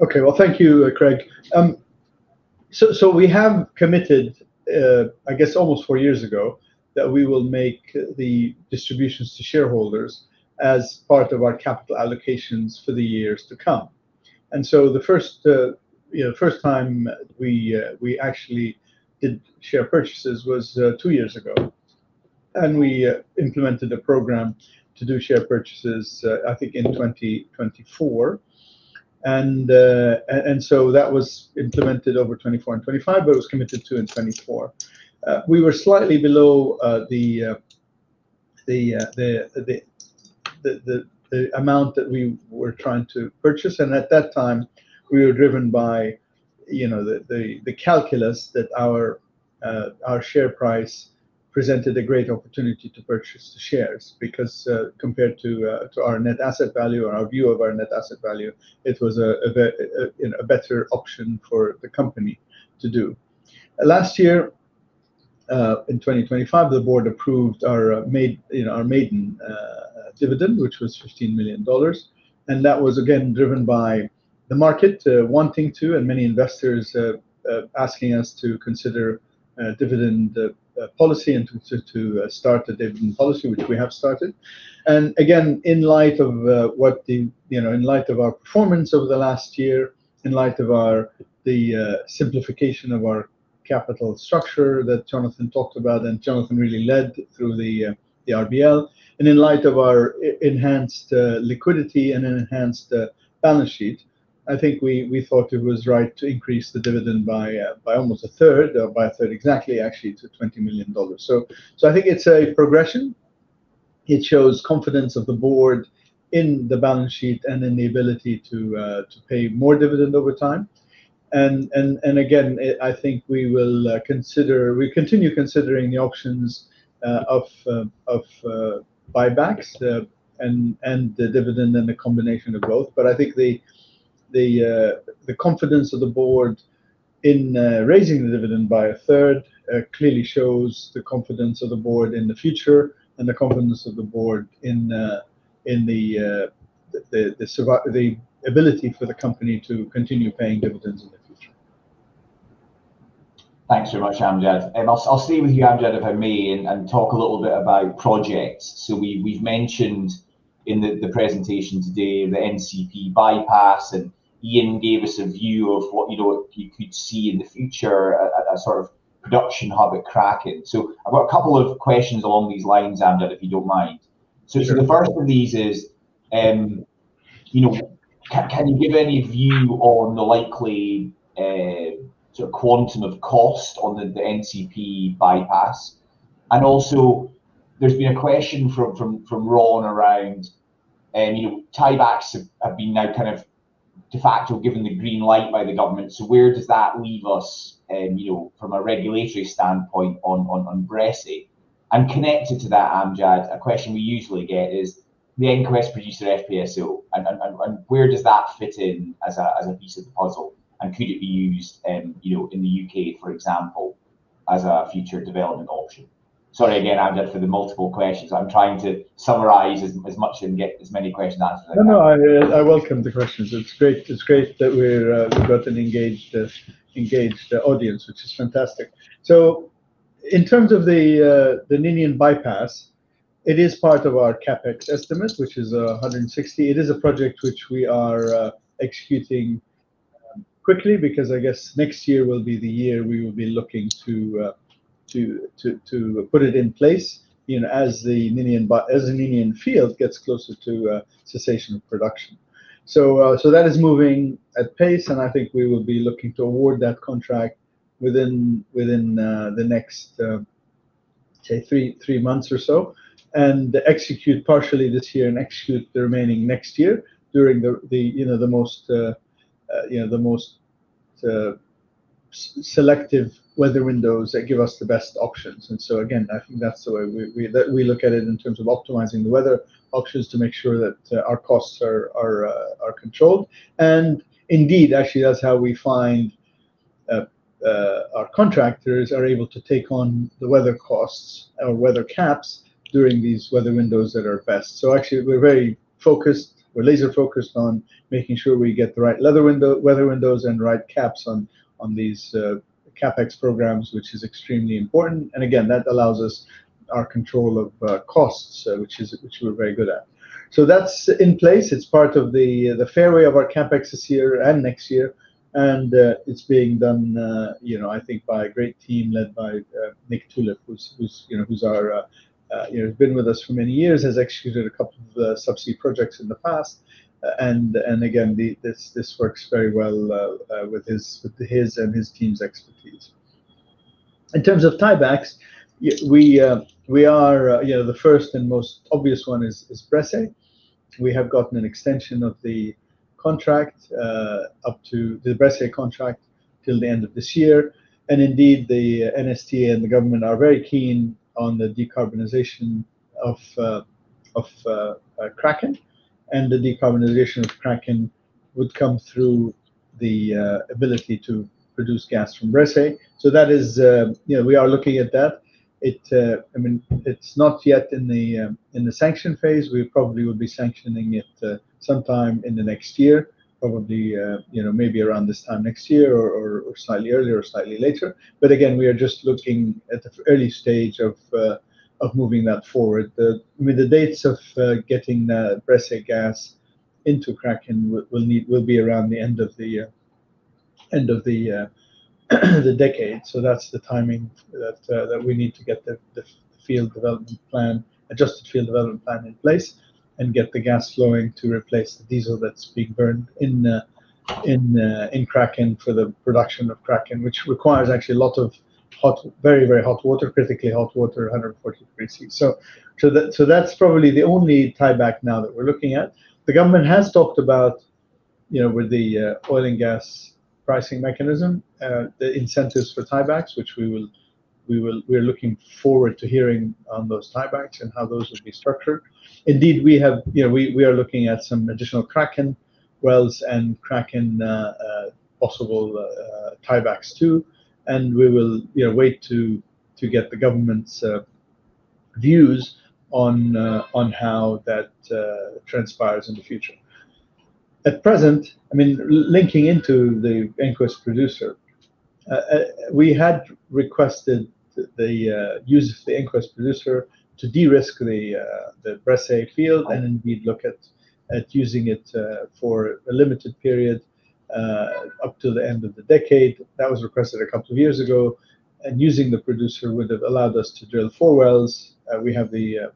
Okay. Well, thank you, Craig. We have committed, I guess almost four years ago, that we will make the distributions to shareholders as part of our capital allocations for the years to come. The first, you know, first time we actually did share purchases was two years ago. We implemented a program to do share purchases, I think in 2024. That was implemented over 2024 and 2025, but it was committed to in 2024. We were slightly below the amount that we were trying to purchase. At that time, we were driven by, you know, the calculus that our share price presented a great opportunity to purchase the shares. Because compared to our net asset value or our view of our net asset value, it was a better option for the company to do. Last year, in 2025, the board approved our you know, our maiden dividend, which was $15 million. That was again driven by the market wanting to, and many investors asking us to consider a dividend policy and to start a dividend policy, which we have started. Again, in light of our performance over the last year, in light of the simplification of our capital structure that Jonathan talked about, and Jonathan really led through the RBL, and in light of our enhanced liquidity and an enhanced balance sheet, I think we thought it was right to increase the dividend by almost a third, or by a third exactly actually to $20 million. I think it's a progression. It shows confidence of the board in the balance sheet and in the ability to pay more dividend over time. Again, I think we will consider. We continue considering the options of buybacks and the dividend and the combination of both. I think the confidence of the board in raising the dividend by a third clearly shows the confidence of the board in the future and the confidence of the board in the ability for the company to continue paying dividends in the future. Thanks very much, Amjad. I'll stay with you, Amjad, if I may, and talk a little bit about projects. We've mentioned in the presentation today the NCP bypass, and Ian gave us a view of what, you know, you could see in the future a sort of production hub at Kraken. I've got a couple of questions along these lines, Amjad, if you don't mind. Sure. The first of these is, you know, can you give any view on the likely sort of quantum of cost on the NCP bypass? Also there's been a question from Ron around, you know, tiebacks have now been kind of de facto given the green light by the government. Where does that leave us, you know, from a regulatory standpoint on Bressay? Connected to that, Amjad, a question we usually get is the EnQuest Producer FPSO, and where does that fit in as a piece of the puzzle? Could it be used, you know, in the U.K., for example, as a future development option? Sorry again, Amjad, for the multiple questions. I'm trying to summarize as much and get as many questions answered as I can. No, no, I welcome the questions. It's great that we've got an engaged audience, which is fantastic. In terms of the Ninian bypass, it is part of our CapEx estimate, which is $160. It is a project which we are executing quickly because I guess next year will be the year we will be looking to put it in place, you know, as the Ninian field gets closer to cessation of production. That is moving at pace, and I think we will be looking to award that contract within the next, say, three months or so. Execute partially this year and execute the remaining next year during the most selective weather windows that give us the best options. Again, I think that's the way we look at it in terms of optimizing the weather options to make sure that our costs are controlled. Indeed, actually, that's how we find our contractors are able to take on the weather costs or weather caps during these weather windows that are best. Actually, we're very focused. We're laser focused on making sure we get the right weather windows and right caps on these CapEx programs, which is extremely important. Again, that allows us control of costs, which we're very good at. That's in place. It's part of the fairway of our CapEx this year and next year. It's being done, you know, I think by a great team led by Nick Tulip, who's our, you know, been with us for many years, has executed a couple of subsea projects in the past. Again, this works very well with his and his team's expertise. In terms of tiebacks, we are, you know, the first and most obvious one is Bressay. We have gotten an extension of the contract up to the Bressay contract till the end of this year. Indeed, the NSTA and the government are very keen on the decarbonization of Kraken. The decarbonization of Kraken would come through the ability to produce gas from Bressay. That is, you know, we are looking at that. It, I mean, it's not yet in the sanction phase. We probably would be sanctioning it sometime in the next year, probably, you know, maybe around this time next year or slightly earlier or slightly later. We are just looking at the early stage of moving that forward. The dates of getting Bressay gas into Kraken will be around the end of the decade. That's the timing that we need to get the field development plan, adjusted field development plan in place and get the gas flowing to replace the diesel that's being burned in Kraken for the production of Kraken, which requires actually a lot of hot, very, very hot water, critically hot water, 140 degrees Celsius. That's probably the only tieback now that we're looking at. The government has talked about, you know, with the oil and gas pricing mechanism, the incentives for tiebacks, which we will. We're looking forward to hearing on those tiebacks and how those would be structured. Indeed, we have, you know, we are looking at some additional Kraken wells and Kraken possible tiebacks too. We will, you know, wait to get the government's views on how that transpires in the future. At present, I mean, linking into the EnQuest Producer, we had requested the use of the EnQuest Producer to de-risk the Bressay field, and indeed look at using it for a limited period up to the end of the decade. That was requested a couple of years ago. Using the producer would have allowed us to drill four wells. We have a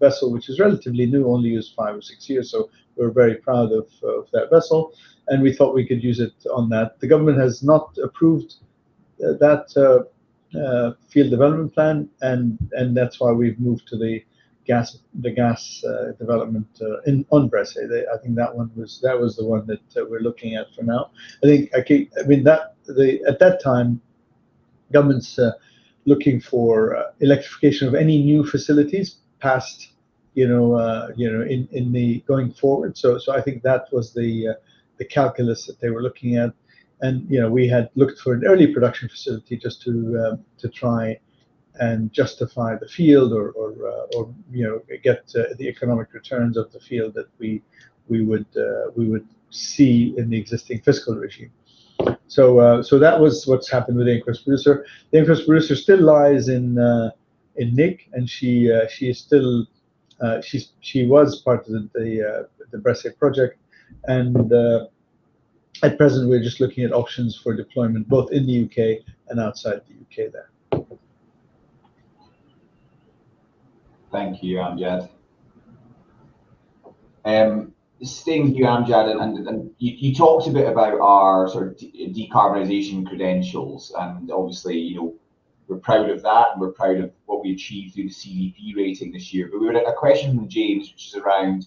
vessel which is relatively new, only used five or six years, so we're very proud of that vessel, and we thought we could use it on that. The government has not approved that field development plan, and that's why we've moved to the gas development on Bressay. I think that was the one that we're looking at for now. I mean, at that time, government's looking for electrification of any new facilities going forward. So I think that was the calculus that they were looking at. You know, we had looked for an early production facility just to try and justify the field or you know, get the economic returns of the field that we would see in the existing fiscal regime. So that was what's happened with the EnQuest Producer. The EnQuest Producer still lies in Nigg, and she was part of the Bressay project. At present, we're just looking at options for deployment both in the U.K. and outside the U.K. there. Thank you, Amjad. Staying with you, Amjad, and you talked a bit about our sort of decarbonization credentials, and obviously, you know, we're proud of that, and we're proud of what we achieved through the CDP rating this year. We had a question from James, which is around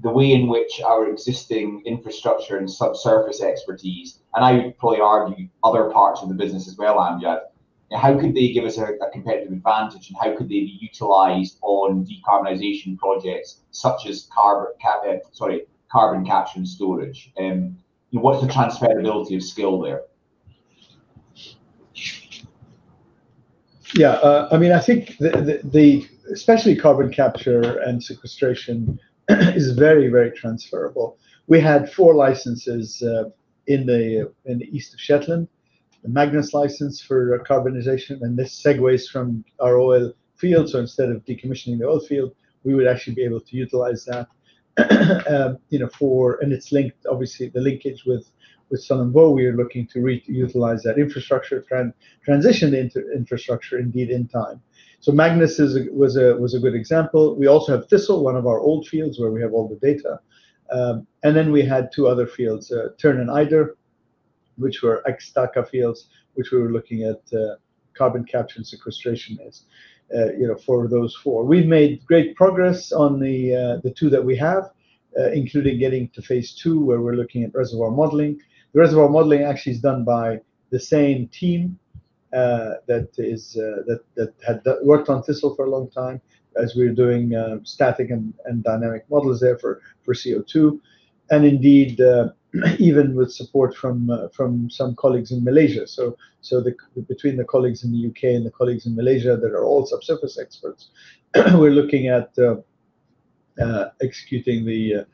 the way in which our existing infrastructure and subsurface expertise, and I would probably argue other parts of the business as well, Amjad, how could they give us a competitive advantage, and how could they be utilized on decarbonization projects such as carbon capture and storage. What's the transferability of skill there? Yeah. I mean, I think the especially carbon capture and sequestration is very, very transferable. We had four licenses in the east of Shetland. The Magnus license for carbonization, and this segues from our oil field, so instead of decommissioning the oil field, we would actually be able to utilize that, you know, for. It's linked. Obviously, the linkage with Sullom Voe, we are looking to re-utilize that infrastructure, transition infrastructure indeed in time. Magnus was a good example. We also have Thistle, one of our old fields where we have all the data. And then we had two other fields, Tern and Eider, which were ex-TAA fields, which we were looking at carbon capture and sequestration as, you know, for those four. We've made great progress on the two that we have, including getting to phase II, where we're looking at reservoir modeling. The reservoir modeling actually is done by the same team that had worked on Thistle for a long time as we're doing static and dynamic models there for CO₂, indeed even with support from some colleagues in Malaysia. Between the colleagues in the U.K. and the colleagues in Malaysia that are all subsurface experts, we're looking at executing the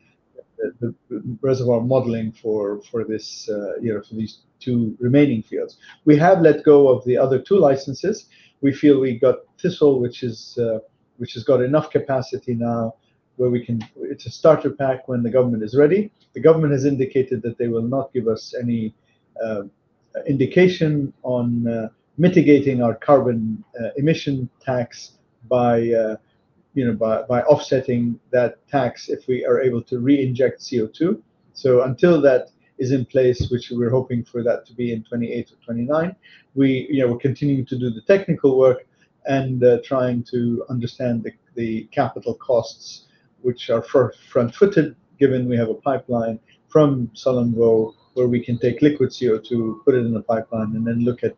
reservoir modeling for this, you know, for these two remaining fields. We have let go of the other two licenses. We feel we got Thistle, which has got enough capacity now where we can. It's a starter pack when the government is ready. The government has indicated that they will not give us any indication on mitigating our carbon emission tax by you know, by offsetting that tax if we are able to reinject CO₂. Until that is in place, which we're hoping for that to be in 2028 or 2029, you know, we're continuing to do the technical work and trying to understand the capital costs, which are front-footed, given we have a pipeline from Sullom Voe where we can take liquid CO₂, put it in the pipeline, and then look at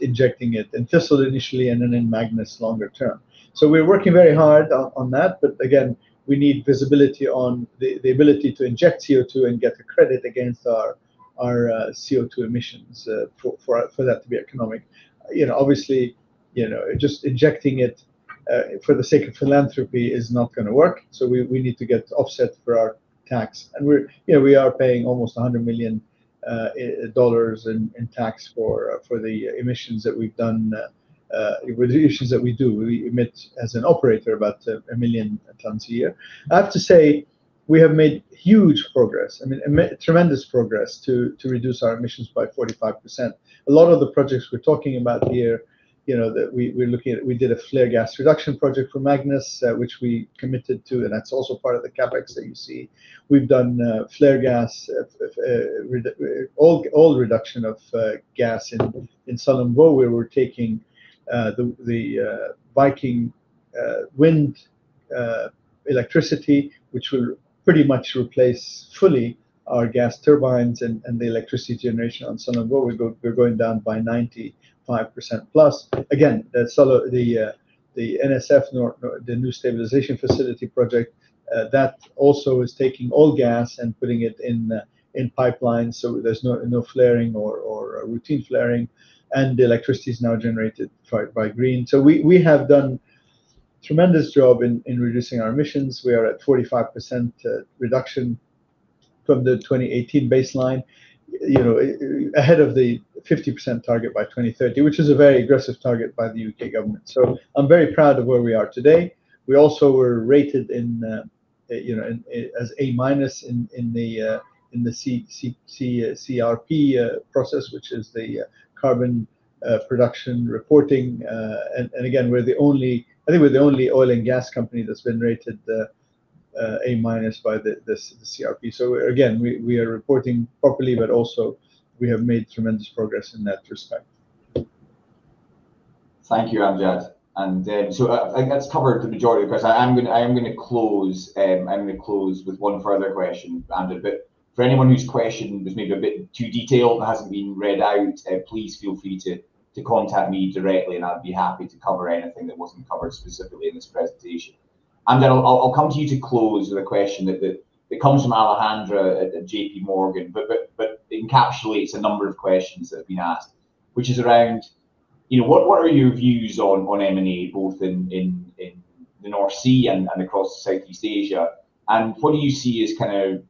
injecting it in Thistle initially and then in Magnus longer term. We're working very hard on that, but again, we need visibility on the ability to inject CO₂ and get the credit against our CO₂ emissions for that to be economic. You know, obviously, you know, just injecting it for the sake of philanthropy is not gonna work. We need to get offset for our tax. We're, you know, we are paying almost $100 million in tax for the emissions that we've done with the emissions that we do. We emit, as an operator, about 1 million tons a year. I have to say, we have made huge progress, I mean, tremendous progress to reduce our emissions by 45%. A lot of the projects we're talking about here, you know, that we're looking at, we did a flare gas reduction project for Magnus, which we committed to, and that's also part of the CapEx that you see. We've done flare gas reduction of gas in Sullom Voe where we're taking the Viking wind electricity, which will pretty much replace fully our gas turbines and the electricity generation on Sullom Voe. We're going down by 95% plus. Again, the NSF or the New Stabilization Facility project that also is taking all gas and putting it in pipelines, so there's no flaring or routine flaring, and the electricity is now generated by green. We have done tremendous job in reducing our emissions. We are at 45% reduction from the 2018 baseline, you know, ahead of the 50% target by 2030, which is a very aggressive target by the U.K. government. I'm very proud of where we are today. We also were rated as A-minus in the CDP process, which is the carbon disclosure project. Again, I think we're the only oil and gas company that's been rated A-minus by the CDP. Again, we are reporting properly, but also we have made tremendous progress in that respect. Thank you, Amjad. I think that's covered the majority of the questions. I'm gonna close with one further question, Amjad. For anyone whose question was maybe a bit too detailed or hasn't been read out, please feel free to contact me directly, and I'd be happy to cover anything that wasn't covered specifically in this presentation. Amjad, I'll come to you to close with a question that comes from Alejandra at JPMorgan, but it encapsulates a number of questions that have been asked, which is around, you know, what are your views on M&A, both in the North Sea and across Southeast Asia? What do you see as kind of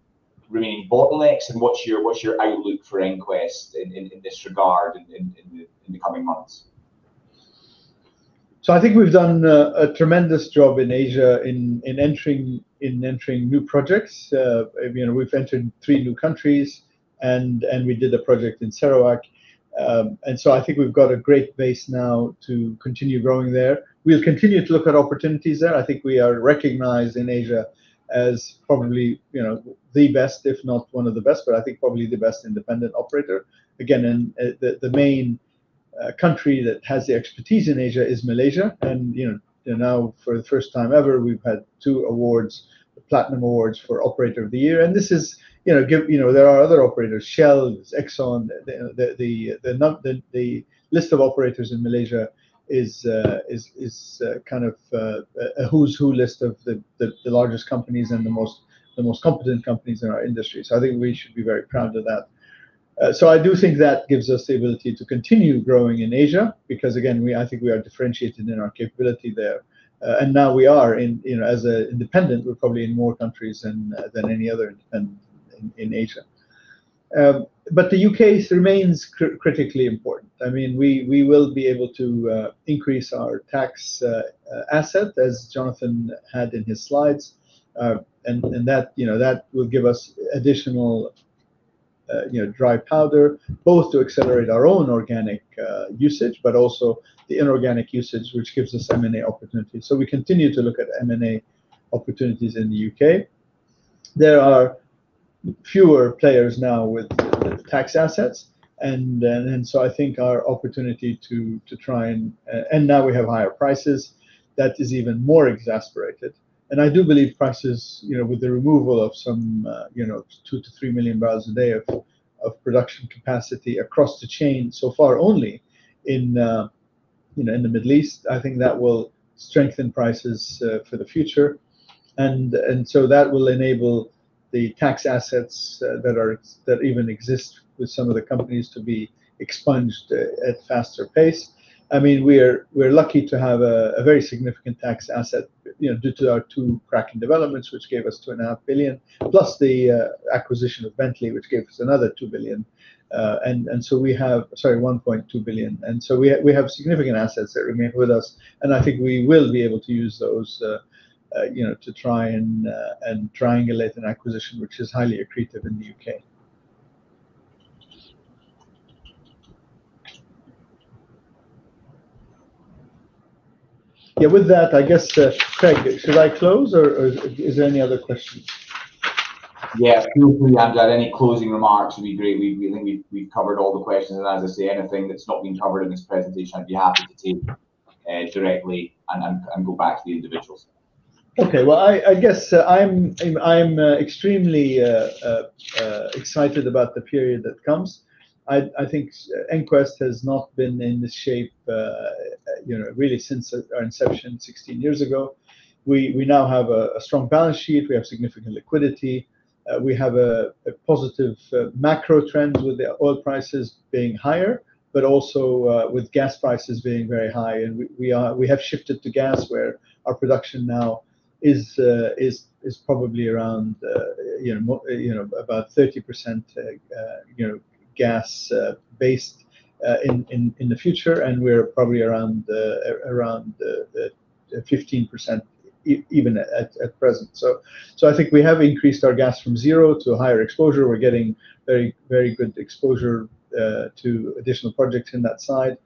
remaining bottlenecks, and what's your outlook for EnQuest in this regard in the coming months? I think we've done a tremendous job in Asia in entering new projects. You know, we've entered three new countries and we did a project in Sarawak. I think we've got a great base now to continue growing there. We'll continue to look at opportunities there. I think we are recognized in Asia as probably, you know, the best, if not one of the best, but I think probably the best independent operator. Again, in the main country that has the expertise in Asia is Malaysia. You know, now for the first time ever, we've had two awards, platinum awards for Operator of the Year. This is, you know, give. You know, there are other operators, Shell, there's Exxon, the list of operators in Malaysia is kind of a who's who list of the largest companies and the most competent companies in our industry, so I think we should be very proud of that. So I do think that gives us the ability to continue growing in Asia because, again, we, I think we are differentiated in our capability there. And now we are in, as a independent, we're probably in more countries than any other independent in Asia. But the U.K. remains critically important. I mean, we will be able to increase our tax asset, as Jonathan had in his slides. That will give us additional, you know, dry powder, both to accelerate our own organic usage, but also the inorganic usage, which gives us M&A opportunities. We continue to look at M&A opportunities in the U.K. There are fewer players now with tax assets, and so I think our opportunity to try and now we have higher prices. That is even more exacerbated. I do believe prices, you know, with the removal of some, you know, 2-3 million barrels a day of production capacity across the chain so far only in, you know, in the Middle East. I think that will strengthen prices for the future. That will enable the tax assets that even exist with some of the companies to be expunged at a faster pace. I mean, we're lucky to have a very significant tax asset, you know, due to our Kraken developments, which gave us $2.5 billion, plus the acquisition of Bentley, which gave us another $2 billion. Sorry, $1.2 billion. We have significant assets that remain with us, and I think we will be able to use those, you know, to try and triangulate an acquisition which is highly accretive in the U.K. Yeah, with that, I guess, Craig, should I close or is there any other questions? Yeah. Feel free Amjad, have any closing remarks, it'd be great. We think we've covered all the questions. As I say, anything that's not been covered in this presentation, I'd be happy to take directly and go back to the individuals. Okay. Well, I guess I'm extremely excited about the period that comes. I think EnQuest has not been in this shape, you know, really since our inception 16 years ago. We now have a strong balance sheet. We have significant liquidity. We have a positive macro trend with the oil prices being higher, but also with gas prices being very high. We have shifted to gas where our production now is probably around, you know, about 30% gas based in the future, and we're probably around 15% even at present. I think we have increased our gas from zero to a higher exposure. We're getting very, very good exposure to additional projects in that side.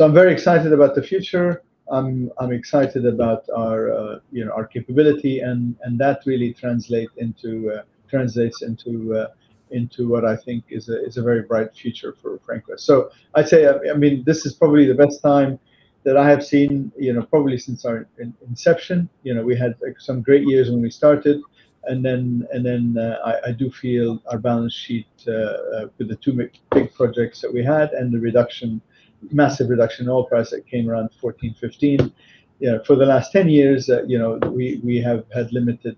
I'm very excited about the future. I'm excited about our capability and that really translates into what I think is a very bright future for EnQuest. I'd say, I mean, this is probably the best time that I have seen, probably since our inception. We had, like some great years when we started, and then I do feel our balance sheet with the two big projects that we had and the reduction, massive reduction in oil price that came around 2014, 2015. For the last 10 years, we have had limited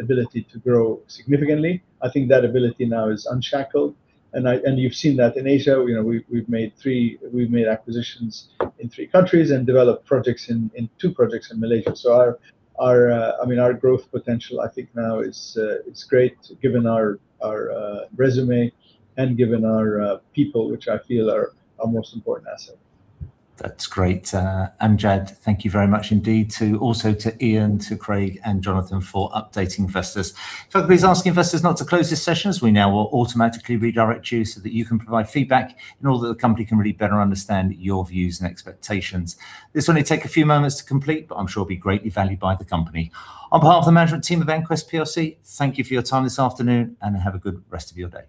ability to grow significantly. I think that ability now is unshackled, and you've seen that in Asia. You know, we've made three acquisitions in three countries and developed projects in two projects in Malaysia. Our, I mean, our growth potential I think now is great given our resume and given our people, which I feel are our most important asset. That's great. Amjad, thank you very much indeed to, also to Ian, to Craig, and Jonathan for updating investors. Craig is asking investors not to close this session, as we now will automatically redirect you so that you can provide feedback in order that the company can really better understand your views and expectations. This will only take a few moments to complete, but I'm sure it'll be greatly valued by the company. On behalf of the management team of EnQuest PLC, thank you for your time this afternoon, and have a good rest of your day.